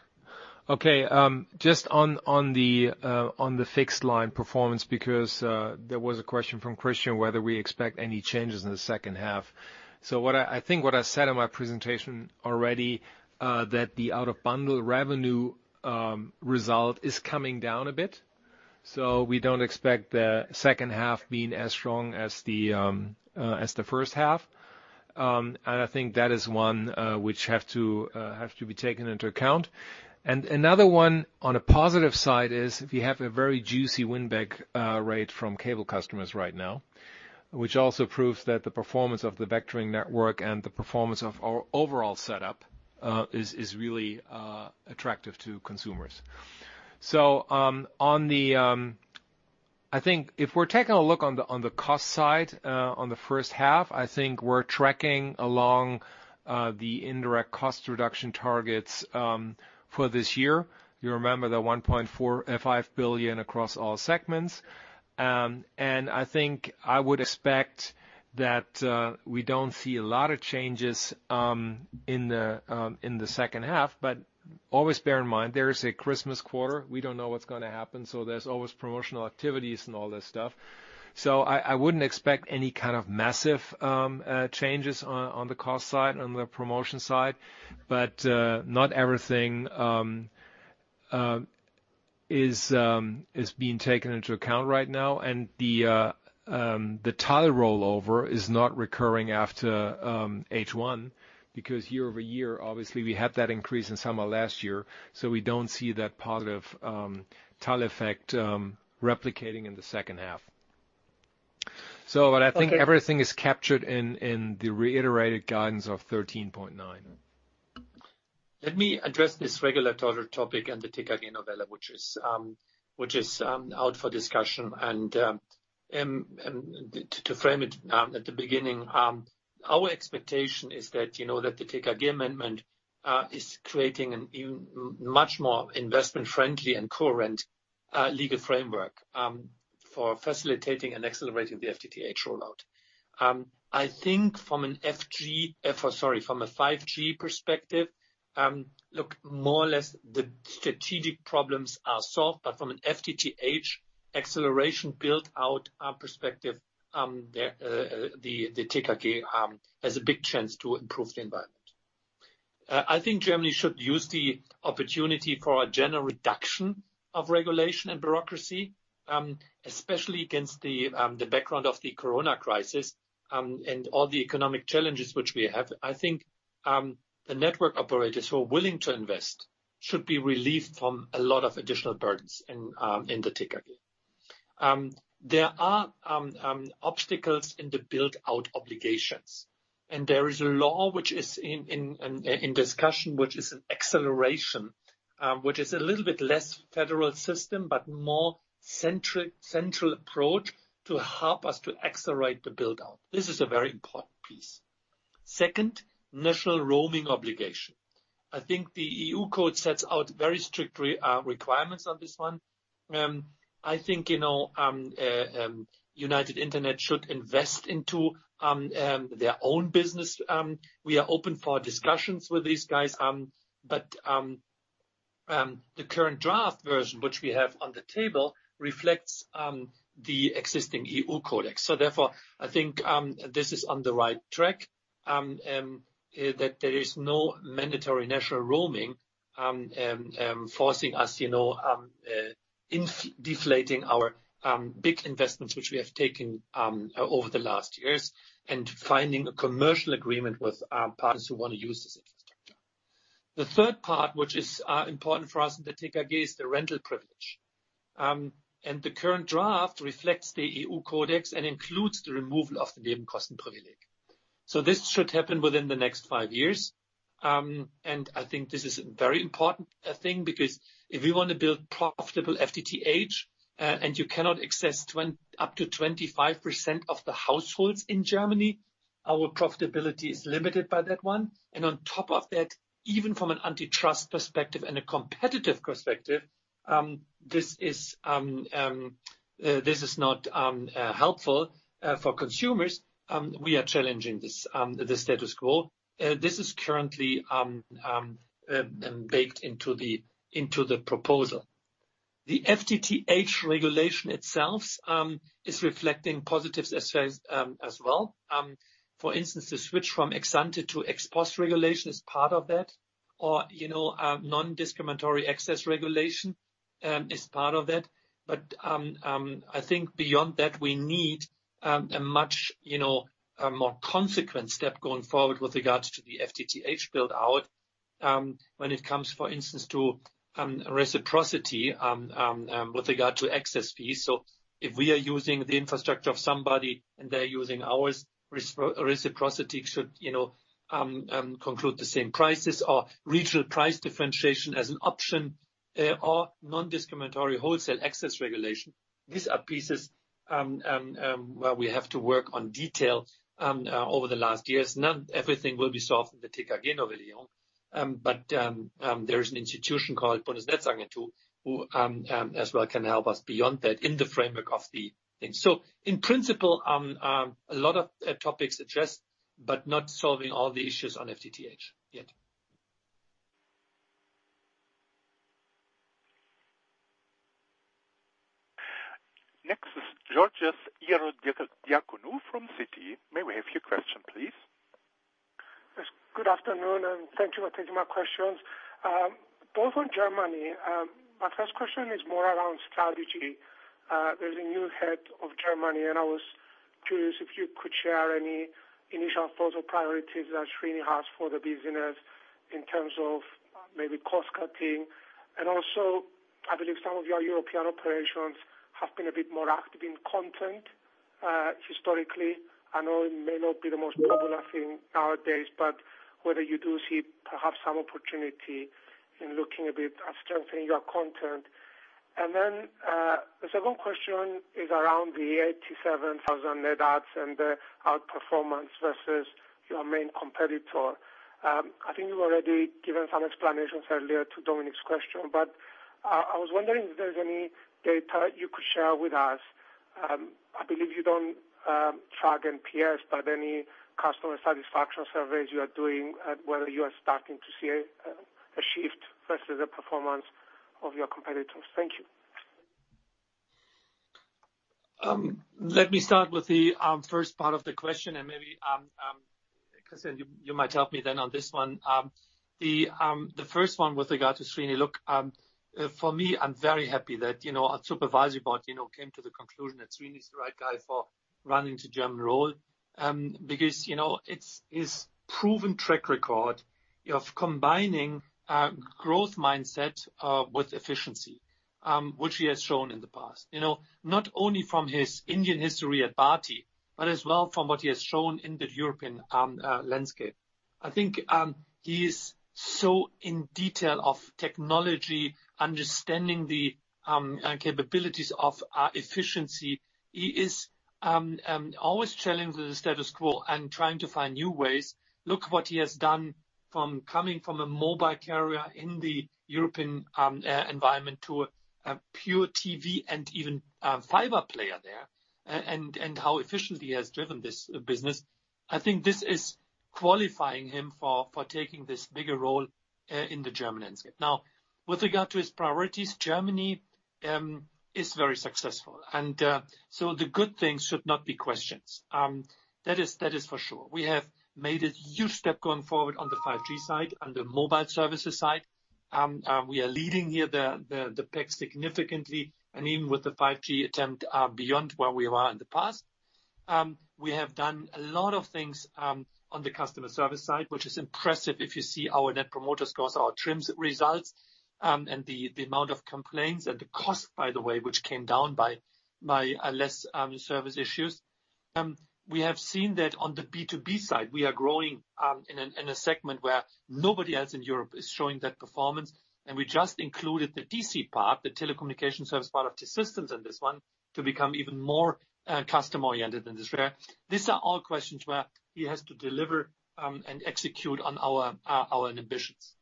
Just on the fixed line performance, because there was a question from Christian whether we expect any changes in the second half. I think what I said in my presentation already, that the out-of-bundle revenue result is coming down a bit. We don't expect the second half being as strong as the first half. I think that is one which have to be taken into account. Another one on a positive side is we have a very juicy win-back rate from cable customers right now, which also proves that the performance of the vectoring network and the performance of our overall setup, is really attractive to consumers. I think if we're taking a look on the cost side, on the first half, I think we're tracking along the indirect cost reduction targets for this year. You remember the 1.5 billion across all segments. I think I would expect that we don't see a lot of changes in the second half. Always bear in mind, there is a Christmas quarter. We don't know what's going to happen. There's always promotional activities and all that stuff. I wouldn't expect any kind of massive changes on the cost side, on the promotion side. Not everything is being taken into account right now. The TAL rollover is not recurring after H1 because year over year, obviously we had that increase in summer last year. We don't see that positive TAL effect replicating in the second half. I think everything is captured in the reiterated guidance of 13.9. Let me address this regulatory topic and the TKG-Novelle, which is out for discussion. To frame it at the beginning, our expectation is that the TKG amendment is creating a much more investment-friendly and current legal framework for facilitating and accelerating the FTTH rollout. I think from a 5G perspective, look, more or less the strategic problems are solved, but from an FTTH acceleration build-out perspective, the TKG has a big chance to improve the environment. I think Germany should use the opportunity for a general reduction of regulation and bureaucracy, especially against the background of the Corona crisis, and all the economic challenges which we have. I think the network operators who are willing to invest should be relieved from a lot of additional burdens in the TKG. There are obstacles in the build-out obligations. There is a law which is in discussion, which is an acceleration, which is a little bit less federal system, but more central approach to help us to accelerate the build-out. This is a very important piece. Second, national roaming obligation. I think the EU Code sets out very strict requirements on this one. I think United Internet should invest into their own business. We are open for discussions with these guys. The current draft version, which we have on the table, reflects the existing EU Code. Therefore, I think this is on the right track, that there is no mandatory national roaming forcing us, in deflating our big investments, which we have taken over the last years, and finding a commercial agreement with partners who want to use this infrastructure. The third part, which is important for us in the TKG is the rental privilege. The current draft reflects the EU codex and includes the removal of the Nebenkostenprivileg. This should happen within the next five years. I think this is a very important thing, because if we want to build profitable FTTH, and you cannot access up to 25% of the households in Germany, our profitability is limited by that one. On top of that, even from an antitrust perspective and a competitive perspective, this is not helpful for consumers. We are challenging the status quo. This is currently baked into the proposal. The FTTH regulation itself is reflecting positives as well. For instance, the switch from ex ante to ex post regulation is part of that, or nondiscriminatory access regulation is part of that. I think beyond that, we need a much more consequent step going forward with regards to the FTTH build-out. When it comes, for instance, to reciprocity with regard to access fees. If we are using the infrastructure of somebody and they're using ours, reciprocity should conclude the same prices or regional price differentiation as an option or nondiscriminatory wholesale access regulation. These are pieces where we have to work on detail over the last years. Not everything will be solved in the TKG-Novelle. There is an institution called Bundesnetzagentur who as well can help us beyond that in the framework of the thing. In principle, a lot of topics addressed, but not solving all the issues on FTTH yet. Next is Georgios Ierodiaconou from Citi. May we have your question, please? Yes, good afternoon, and thank you for taking my questions. Both on Germany. My first question is more around strategy. There's a new head of Germany. I was curious if you could share any initial thoughts or priorities that Srini has for the business in terms of maybe cost-cutting. Also, I believe some of your European operations have been a bit more active in content historically. I know it may not be the most popular thing nowadays. Whether you do see perhaps some opportunity in looking a bit at strengthening your content. Then, the second question is around the 87,000 net adds and the outperformance versus your main competitor. I think you've already given some explanations earlier to Dominic's question. I was wondering if there's any data you could share with us. I believe you don't track NPS, but any customer satisfaction surveys you are doing, whether you are starting to see a shift versus the performance of your competitors. Thank you. Let me start with the first part of the question, maybe, Christian, you might help me then on this one. The first one with regard to Srini. Look, for me, I'm very happy that our supervisory board came to the conclusion that Srini is the right guy for running the German role. It's his proven track record of combining a growth mindset with efficiency, which he has shown in the past. Not only from his Indian history at Bharti, but as well from what he has shown in the European landscape. I think he is so in detail of technology, understanding the capabilities of efficiency. He is always challenging the status quo and trying to find new ways. Look what he has done from coming from a mobile carrier in the European environment to a pure TV and even a fiber player there, and how efficiently he has driven this business. I think this is qualifying him for taking this bigger role in the German landscape. Now, with regard to his priorities, Germany is very successful. The good things should not be questions. That is for sure. We have made a huge step going forward on the 5G side and the mobile services side. We are leading here the pack significantly. Even with the 5G attempt beyond where we were in the past. We have done a lot of things on the customer service side, which is impressive if you see our net promoter scores, our TRI*M results, and the amount of complaints and the cost, by the way, which came down by less service issues. We have seen that on the B2B side, we are growing in a segment where nobody else in Europe is showing that performance. We just included the TC part, the telecommunication service part of T-Systems in this one to become even more customer-oriented than this. These are all questions where he has to deliver and execute on our ambitions.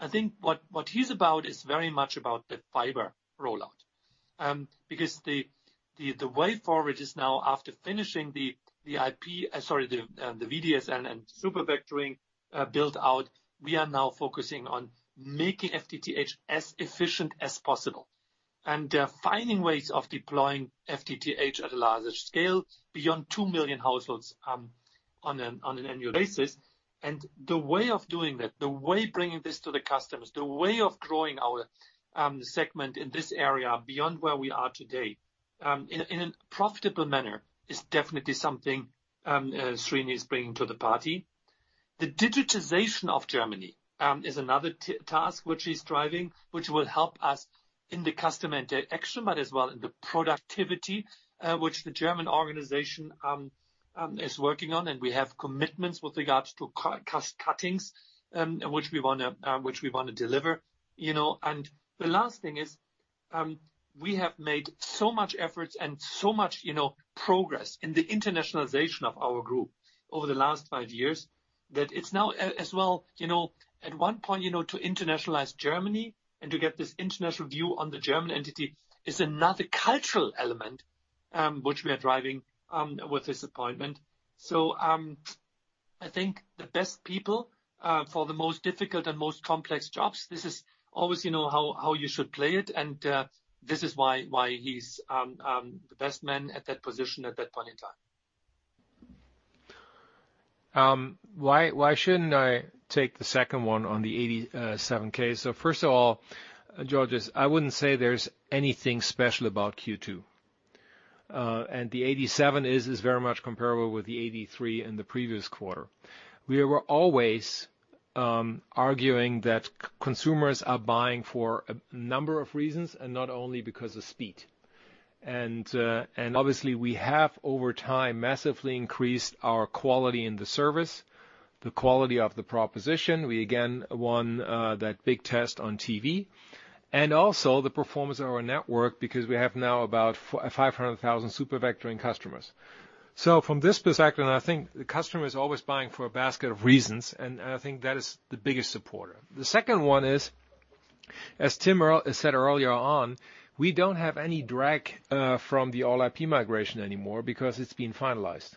I think what he's about is very much about the fiber rollout. The way forward is now after finishing the IP, sorry, the VDSL and super vectoring build out, we are now focusing on making FTTH as efficient as possible. Finding ways of deploying FTTH at a larger scale beyond 2 million households on an annual basis. The way of doing that, the way of bringing this to the customers, the way of growing our segment in this area beyond where we are today, in a profitable manner, is definitely something Srini is bringing to the party. The digitization of Germany is another task which he's driving, which will help us in the customer interaction, but as well in the productivity, which the German organization is working on, and we have commitments with regards to cost cuttings, which we want to deliver. The last thing is, we have made so much efforts and so much progress in the internationalization of our group over the last five years. At one point, to internationalize Germany and to get this international view on the German entity is another cultural element, which we are driving with this appointment. I think the best people for the most difficult and most complex jobs. This is obviously how you should play it. This is why he's the best man at that position at that point in time. Why shouldn't I take the second one on the 87,000? First of all, Georgios, I wouldn't say there's anything special about Q2. The 87 is very much comparable with the 83 in the previous quarter. We were always arguing that consumers are buying for a number of reasons, and not only because of speed. Obviously we have, over time, massively increased our quality in the service, the quality of the proposition. We again won that big test on TV. Also the performance of our network, because we have now about 500,000 super vectoring customers. From this perspective, I think the customer is always buying for a basket of reasons, and I think that is the biggest supporter. The second one is, as Tim said earlier on, we don't have any drag from the All-IP migration anymore because it's been finalized.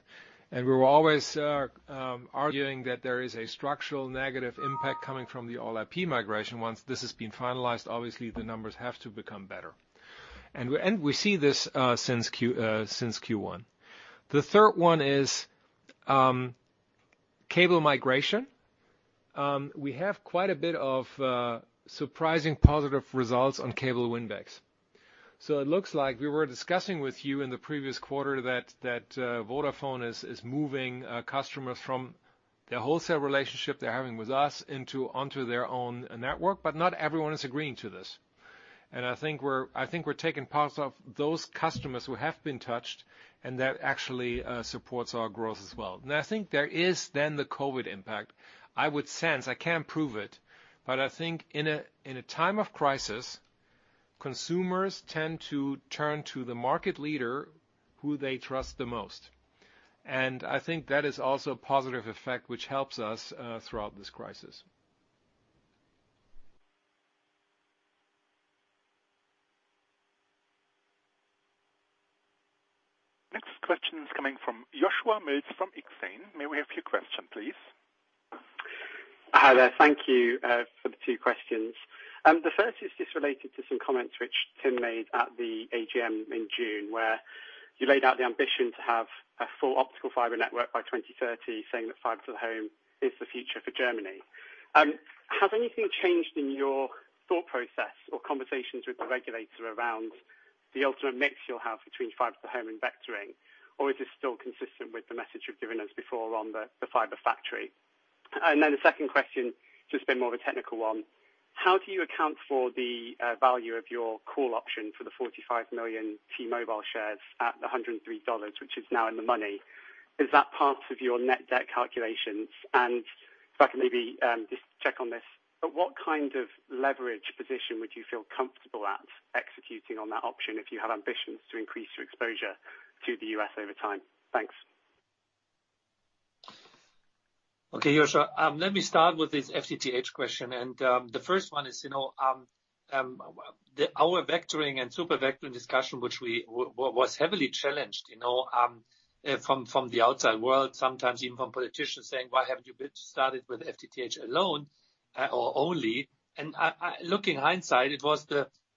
We're always arguing that there is a structural negative impact coming from the All-IP migration. Once this has been finalized, obviously the numbers have to become better. We see this since Q1. The third one is cable migration. We have quite a bit of surprising positive results on cable win backs. It looks like we were discussing with you in the previous quarter that Vodafone is moving customers from their wholesale relationship they're having with us onto their own network. Not everyone is agreeing to this. I think we're taking parts of those customers who have been touched, and that actually supports our growth as well. I think there is then the COVID impact. I would sense, I can't prove it, but I think in a time of crisis, consumers tend to turn to the market leader who they trust the most. I think that is also a positive effect which helps us throughout this crisis. Next question is coming from Joshua Mills from Exane. May we have your question, please? Hi there. Thank you for the two questions. The first is just related to some comments which Tim made at the AGM in June, where you laid out the ambition to have a full optical fiber network by 2030, saying that fiber to the home is the future for Germany. Has anything changed in your thought process or conversations with the regulator around the ultimate mix you'll have between fiber to the home and vectoring, or is this still consistent with the message you've given us before on the Fiber Factory? The second question, just been more of a technical one. How do you account for the value of your call option for the 45 million T-Mobile shares at $103, which is now in the money? Is that part of your net debt calculations? If I can maybe just check on this, at what kind of leverage position would you feel comfortable at executing on that option if you have ambitions to increase your exposure to the U.S. over time? Thanks. Okay, Joshua. Let me start with this FTTH question. The first one is our vectoring and super vectoring discussion, which was heavily challenged from the outside world. Sometimes even from politicians saying, "Why haven't you started with FTTH alone or only?" Looking hindsight, it was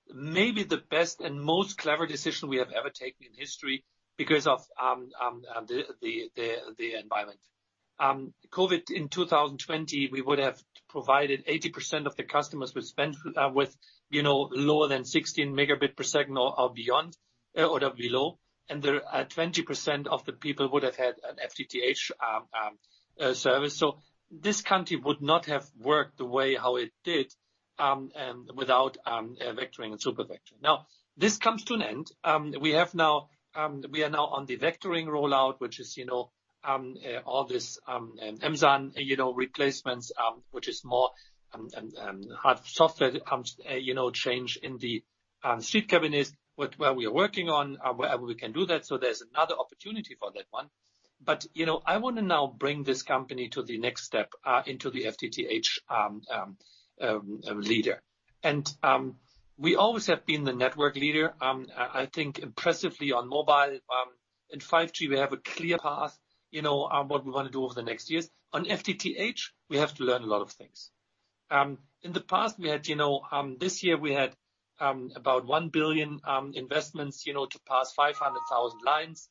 maybe the best and most clever decision we have ever taken in history because of the environment. COVID, in 2020, we would have provided 80% of the customers with lower than 16 megabit per second or below. 20% of the people would have had an FTTH service. This country would not have worked the way how it did without vectoring and super vectoring. Now this comes to an end. We are now on the vectoring rollout, which is all this MSAN replacements, which is more hard software change in the street cabinets, where we are working on, wherever we can do that. There's another opportunity for that one. I want to now bring this company to the next step, into the FTTH leader. We always have been the network leader, I think impressively on mobile. In 5G, we have a clear path on what we want to do over the next years. On FTTH, we have to learn a lot of things. In the past, this year we had about 1 billion investments to pass 500,000 lines.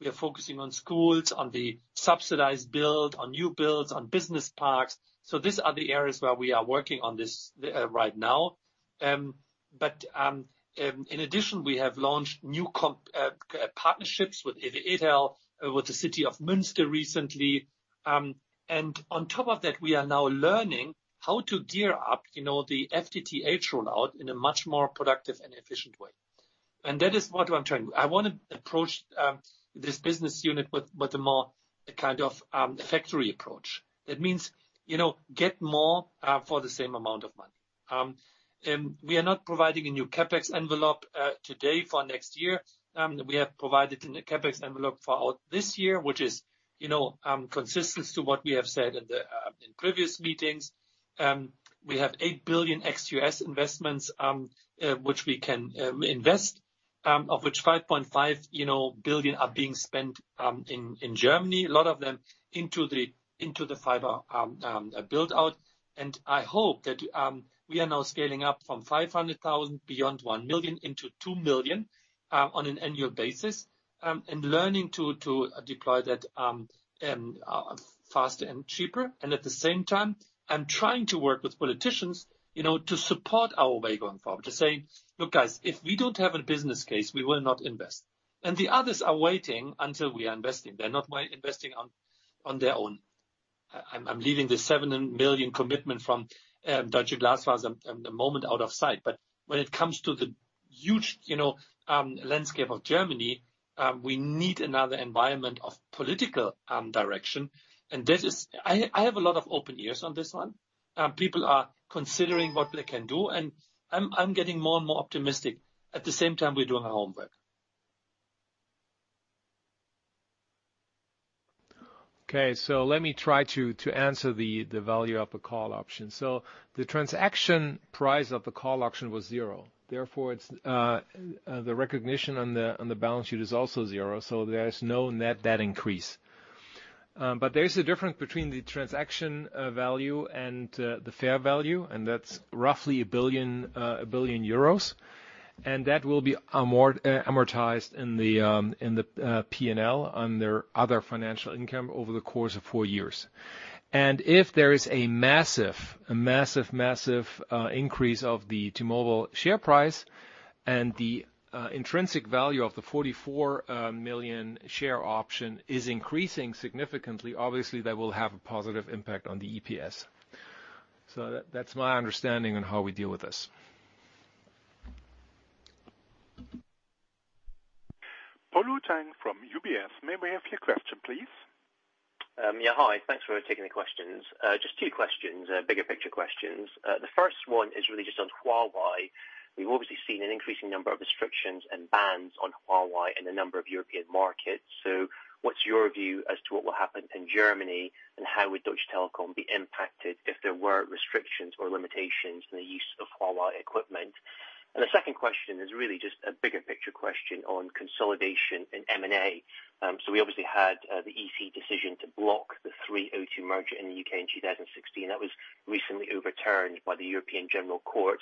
We are focusing on schools, on the subsidized build, on new builds, on business parks. These are the areas where we are working on this right now. In addition, we have launched new partnerships with, <inaudible> with the city of Münster recently. On top of that, we are now learning how to gear up the FTTH rollout in a much more productive and efficient way. That is what I'm trying to do. I want to approach this business unit with a more kind of factory approach. That means get more for the same amount of money. We are not providing a new CapEx envelope today for next year. We have provided a CapEx envelope for this year, which is consistent to what we have said in previous meetings. We have 8 billion ex U.S. investments, which we can invest, of which 5.5 billion are being spent in Germany, a lot of them into the fiber build-out. I hope that we are now scaling up from 500,000 beyond 1 million into 2 million on an annual basis. Learning to deploy that faster and cheaper. At the same time, I'm trying to work with politicians to support our way going forward. To say, "Look, guys, if we don't have a business case, we will not invest." The others are waiting until we are investing. They're not investing on their own. I'm leaving the 7 million commitment from Deutsche Glasfaser at the moment out of sight. When it comes to the huge landscape of Germany, we need another environment of political direction. I have a lot of open ears on this one. People are considering what they can do, and I'm getting more and more optimistic. At the same time, we're doing our homework. Okay. Let me try to answer the value of a call option. The transaction price of the call option was zero. Therefore, the recognition on the balance sheet is also zero. There is no net debt increase. There is a difference between the transaction value and the fair value, and that's roughly 1 billion euros. That will be amortized in the P&L under other financial income over the course of four years. If there is a massive increase of the T-Mobile share price and the intrinsic value of the 44 million share option is increasing significantly, obviously, that will have a positive impact on the EPS. That's my understanding on how we deal with this. Polo Tang from UBS, may we have your question, please? Yeah. Hi, thanks for taking the questions. Just two questions, bigger picture questions. The first one is really just on Huawei. We've obviously seen an increasing number of restrictions and bans on Huawei in a number of European markets. What's your view as to what will happen in Germany, and how would Deutsche Telekom be impacted if there were restrictions or limitations in the use of Huawei equipment? The second question is really just a bigger picture question on consolidation in M&A. We obviously had the EC decision to block the Three-O2 merger in the U.K. in 2016. That was recently overturned by the European General Court.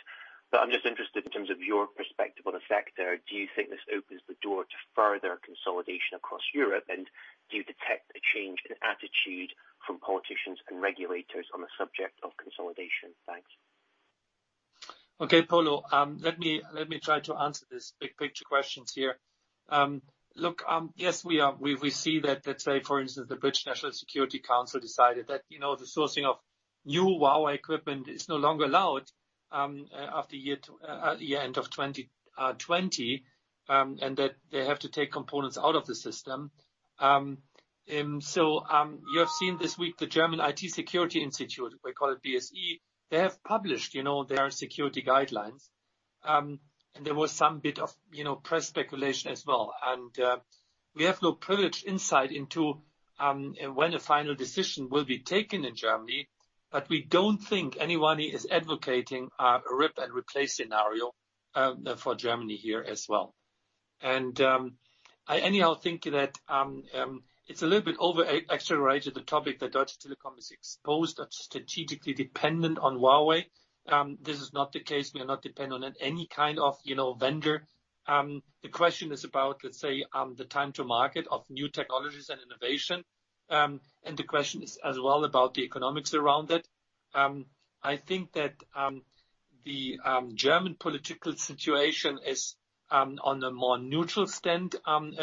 I'm just interested in terms of your perspective on effect there, do you think this opens the door to further consolidation across Europe? Do you detect a change in attitude from politicians and regulators on the subject of consolidation? Thanks. Okay, Polo. Let me try to answer this big picture questions here. Look, yes, we see that, let's say, for instance, the British National Security Council decided that the sourcing of new Huawei equipment is no longer allowed at the end of 2020, and that they have to take components out of the system. You have seen this week the German IT Security Institute, we call it BSI, they have published their security guidelines. There was some bit of press speculation as well. We have no privileged insight into when a final decision will be taken in Germany. We don't think anyone is advocating a rip and replace scenario for Germany here as well. I, anyhow, think that it's a little bit over exaggerated the topic that Deutsche Telekom is exposed or strategically dependent on Huawei. This is not the case. We are not dependent on any kind of vendor. The question is about, let's say, the time to market of new technologies and innovation. The question is as well about the economics around it. I think that the German political situation is on a more neutral stand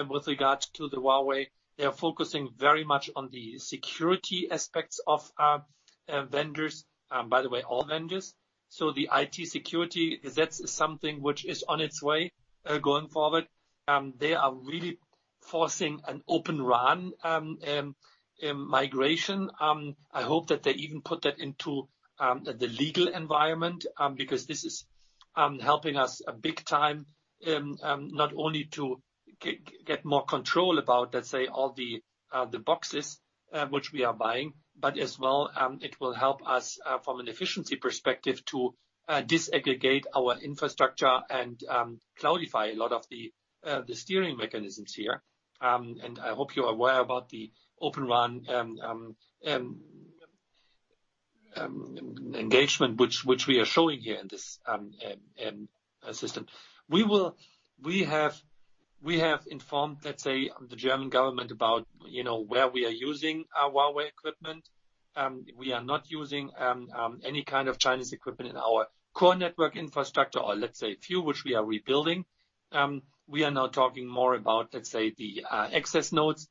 with regards to the Huawei. They are focusing very much on the security aspects of vendors, by the way, all vendors. The IT security, that's something which is on its way going forward. They are really forcing an Open RAN migration. I hope that they even put that into the legal environment, because this is helping us big time, not only to get more control about, let's say, all the boxes which we are buying, but as well, it will help us from an efficiency perspective to disaggregate our infrastructure and cloudify a lot of the steering mechanisms here. I hope you are aware about the Open RAN engagement, which we are showing here in this system. We have informed, let's say, the German government about where we are using our Huawei equipment. We are not using any kind of Chinese equipment in our core network infrastructure or let's say a few which we are rebuilding. We are now talking more about, let's say, the access nodes.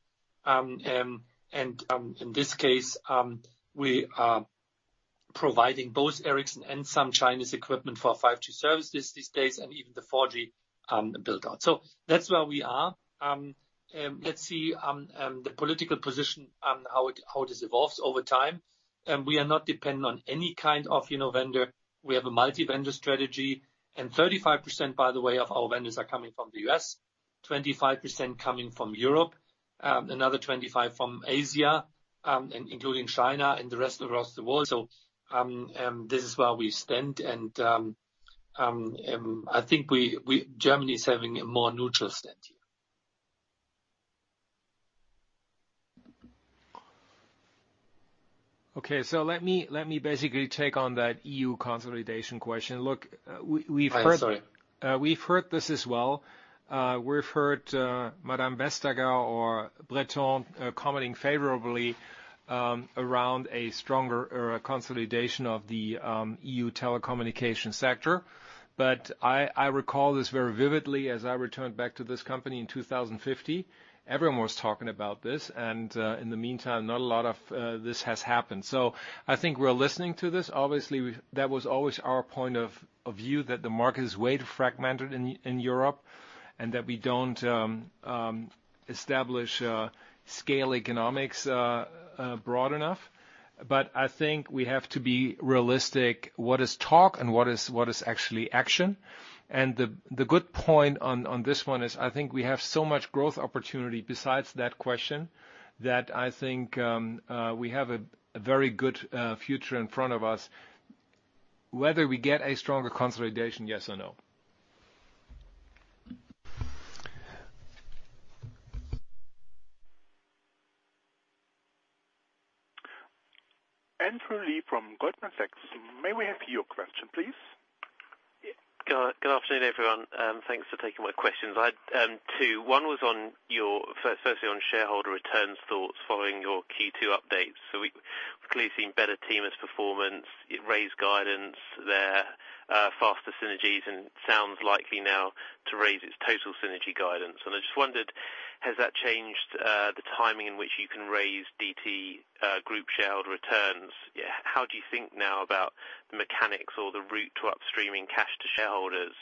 In this case, we are providing both Ericsson and some Chinese equipment for 5G services these days and even the 4G build-out. That's where we are. Let's see the political position and how this evolves over time. We are not dependent on any kind of vendor. 35%, by the way, of our vendors are coming from the U.S., 25% coming from Europe, another 25% from Asia, including China and the rest across the world. This is where we stand. I think Germany is having a more neutral stance here. Okay. Let me basically take on that EU consolidation question. We've heard. Sorry. We've heard this as well. We've heard Madame Vestager or Breton commenting favorably around a stronger consolidation of the EU telecommunication sector. I recall this very vividly as I returned back to this company in 2015. Everyone was talking about this, and in the meantime, not a lot of this has happened. I think we're listening to this. Obviously, that was always our point of view, that the market is way too fragmented in Europe and that we don't establish scale economics broad enough. I think we have to be realistic, what is talk and what is actually action? The good point on this one is I think we have so much growth opportunity besides that question, that I think we have a very good future in front of us. Whether we get a stronger consolidation, yes or no? Andrew Lee from Goldman Sachs, may we have your question, please? Good afternoon, everyone. Thanks for taking my questions. I had two. One was on your, firstly, on shareholder returns thoughts following your Q2 updates. We've clearly seen better TMUS performance. It raised guidance there, faster synergies, and sounds likely now to raise its total synergy guidance. I just wondered, has that changed the timing in which you can raise DT group shareholder returns? How do you think now about the mechanics or the route to upstreaming cash to shareholders?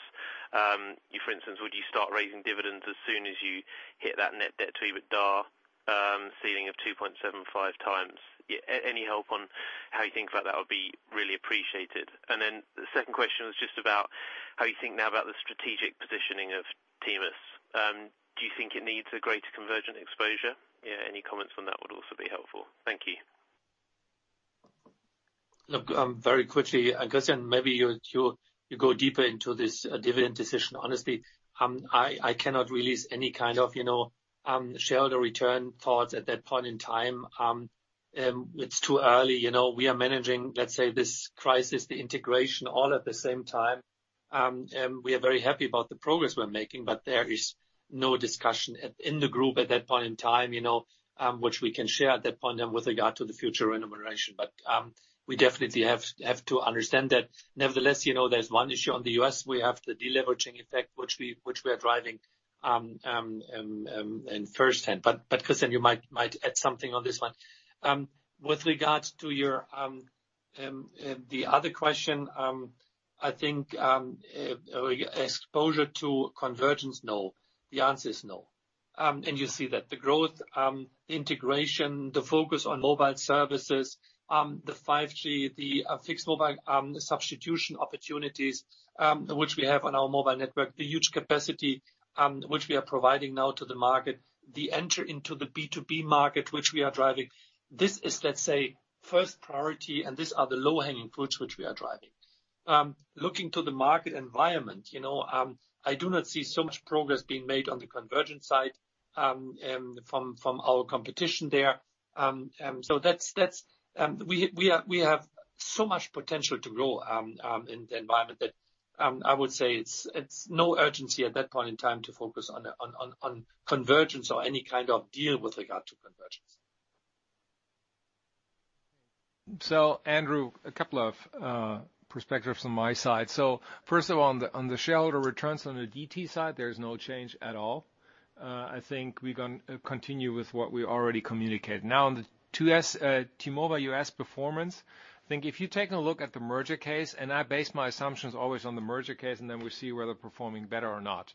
For instance, would you start raising dividends as soon as you hit that net debt to EBITDA ceiling of 2.75x? Any help on how you think about that would be really appreciated. The second question was just about how you think now about the strategic positioning of TMUS. Do you think it needs a greater convergent exposure? Yeah, any comments on that would also be helpful. Thank you. Look, very quickly, I guess, maybe you go deeper into this dividend decision. Honestly, I cannot release any kind of shareholder return thoughts at that point in time. It's too early. We are managing this crisis, the integration all at the same time. We are very happy about the progress we're making, there is no discussion in the group at that point in time which we can share at that point with regard to the future remuneration. We definitely have to understand that nevertheless, there's one issue on the U.S., we have the deleveraging effect which we are driving in firsthand. Christian, you might add something on this one. With regards to the other question, I think exposure to convergence, no. The answer is no. You see that the growth, integration, the focus on mobile services, the 5G, the fixed mobile substitution opportunities, which we have on our mobile network, the huge capacity which we are providing now to the market, the entry into the B2B market, which we are driving. This is, let's say, first priority, and these are the low-hanging fruits which we are driving. Looking to the market environment, I do not see so much progress being made on the convergence side from our competition there. We have so much potential to grow in the environment that I would say it's no urgency at that point in time to focus on convergence or any kind of deal with regard to convergence. Andrew, a couple of perspectives on my side. First of all, on the shareholder returns on the DT side, there is no change at all. I think we're going to continue with what we already communicated. On the T-Mobile U.S., performance, I think if you're taking a look at the merger case, I base my assumptions always on the merger case, we see whether performing better or not.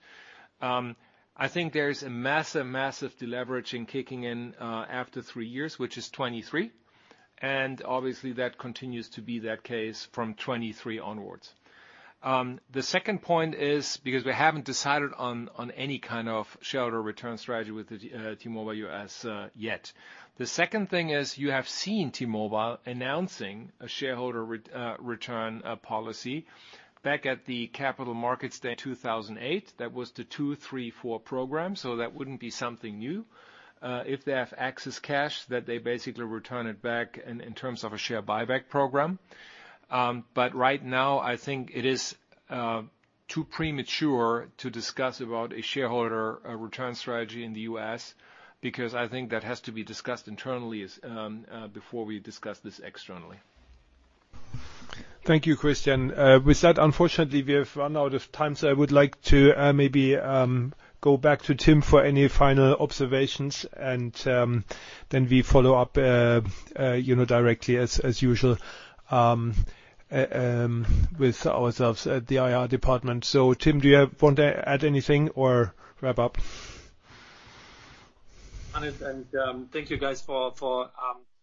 I think there's a massive deleveraging kicking in after three years, which is 2023. Obviously, that continues to be that case from 2023 onwards. The second point is because we haven't decided on any kind of shareholder return strategy with T-Mobile U.S., yet. The second thing is you have seen T-Mobile announcing a shareholder return policy back at the Capital Markets Day 2018. That was the two, three, four program. That wouldn't be something new. If they have excess cash that they basically return it back in terms of a share buyback program. Right now, I think it is too premature to discuss about a shareholder return strategy in the U.S. because I think that has to be discussed internally before we discuss this externally. Thank you, Christian. With that, unfortunately, we have run out of time. I would like to maybe go back to Tim for any final observations and then we follow up directly as usual with ourselves at the IR department. Tim, do you want to add anything or wrap up? Thank you guys for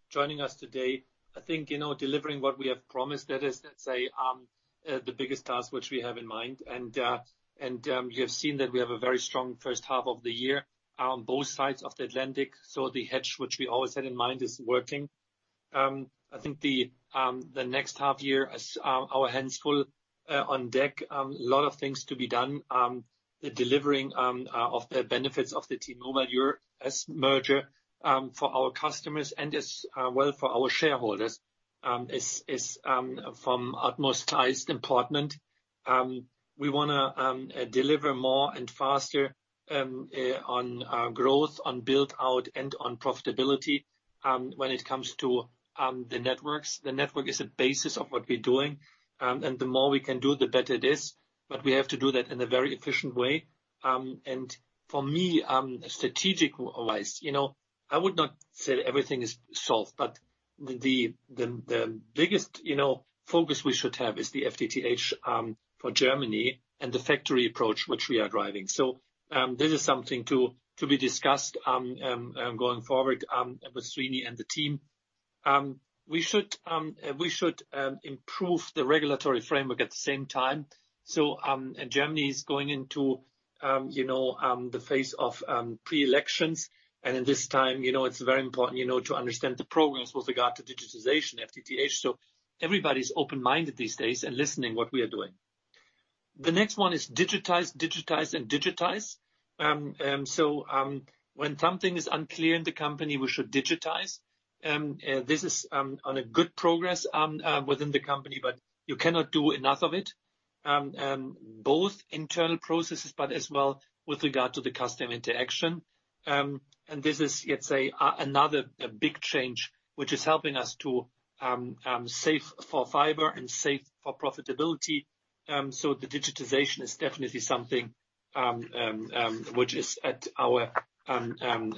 joining us today. I think delivering what we have promised, that is the biggest task which we have in mind. You have seen that we have a very strong first half of the year on both sides of the Atlantic. The hedge which we always had in mind is working. I think the next half year is our hands full on deck. A lot of things to be done. The delivering of the benefits of the T-Mobile U.S., merger for our customers and as well for our shareholders is from utmost highest importance. We want to deliver more and faster on growth, on build out, and on profitability when it comes to the networks. The network is the basis of what we're doing, and the more we can do, the better it is. We have to do that in a very efficient way. For me, strategic-wise, I would not say that everything is solved, but the biggest focus we should have is the FTTH for Germany and the factory approach which we are driving. This is something to be discussed going forward with Srini and the team. We should improve the regulatory framework at the same time. Germany is going into the phase of pre-elections, and in this time, it's very important to understand the programs with regard to digitization, FTTH. Everybody's open-minded these days and listening what we are doing. The next one is digitize, and digitize. When something is unclear in the company, we should digitize. This is on a good progress within the company, but you cannot do enough of it. Both internal processes, but as well with regard to the customer interaction. This is, let's say, another big change which is helping us to save for fiber and save for profitability. The digitization is definitely something which is at our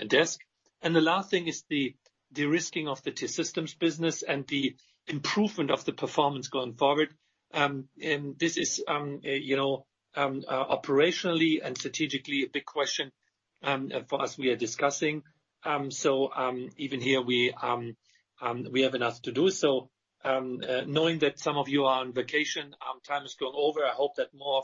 desk. The last thing is the de-risking of the T-Systems business and the improvement of the performance going forward. This is operationally and strategically a big question for us we are discussing. Even here we have enough to do. Knowing that some of you are on vacation, time has gone over. I hope that more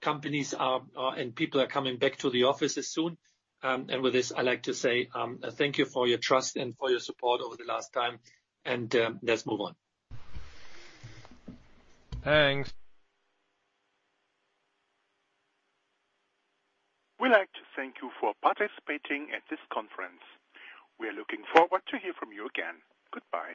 companies and people are coming back to the offices soon. With this, I like to say thank you for your trust and for your support over the last time, and let's move on. Thanks. We'd like to thank you for participating at this conference. We are looking forward to hear from you again. Goodbye.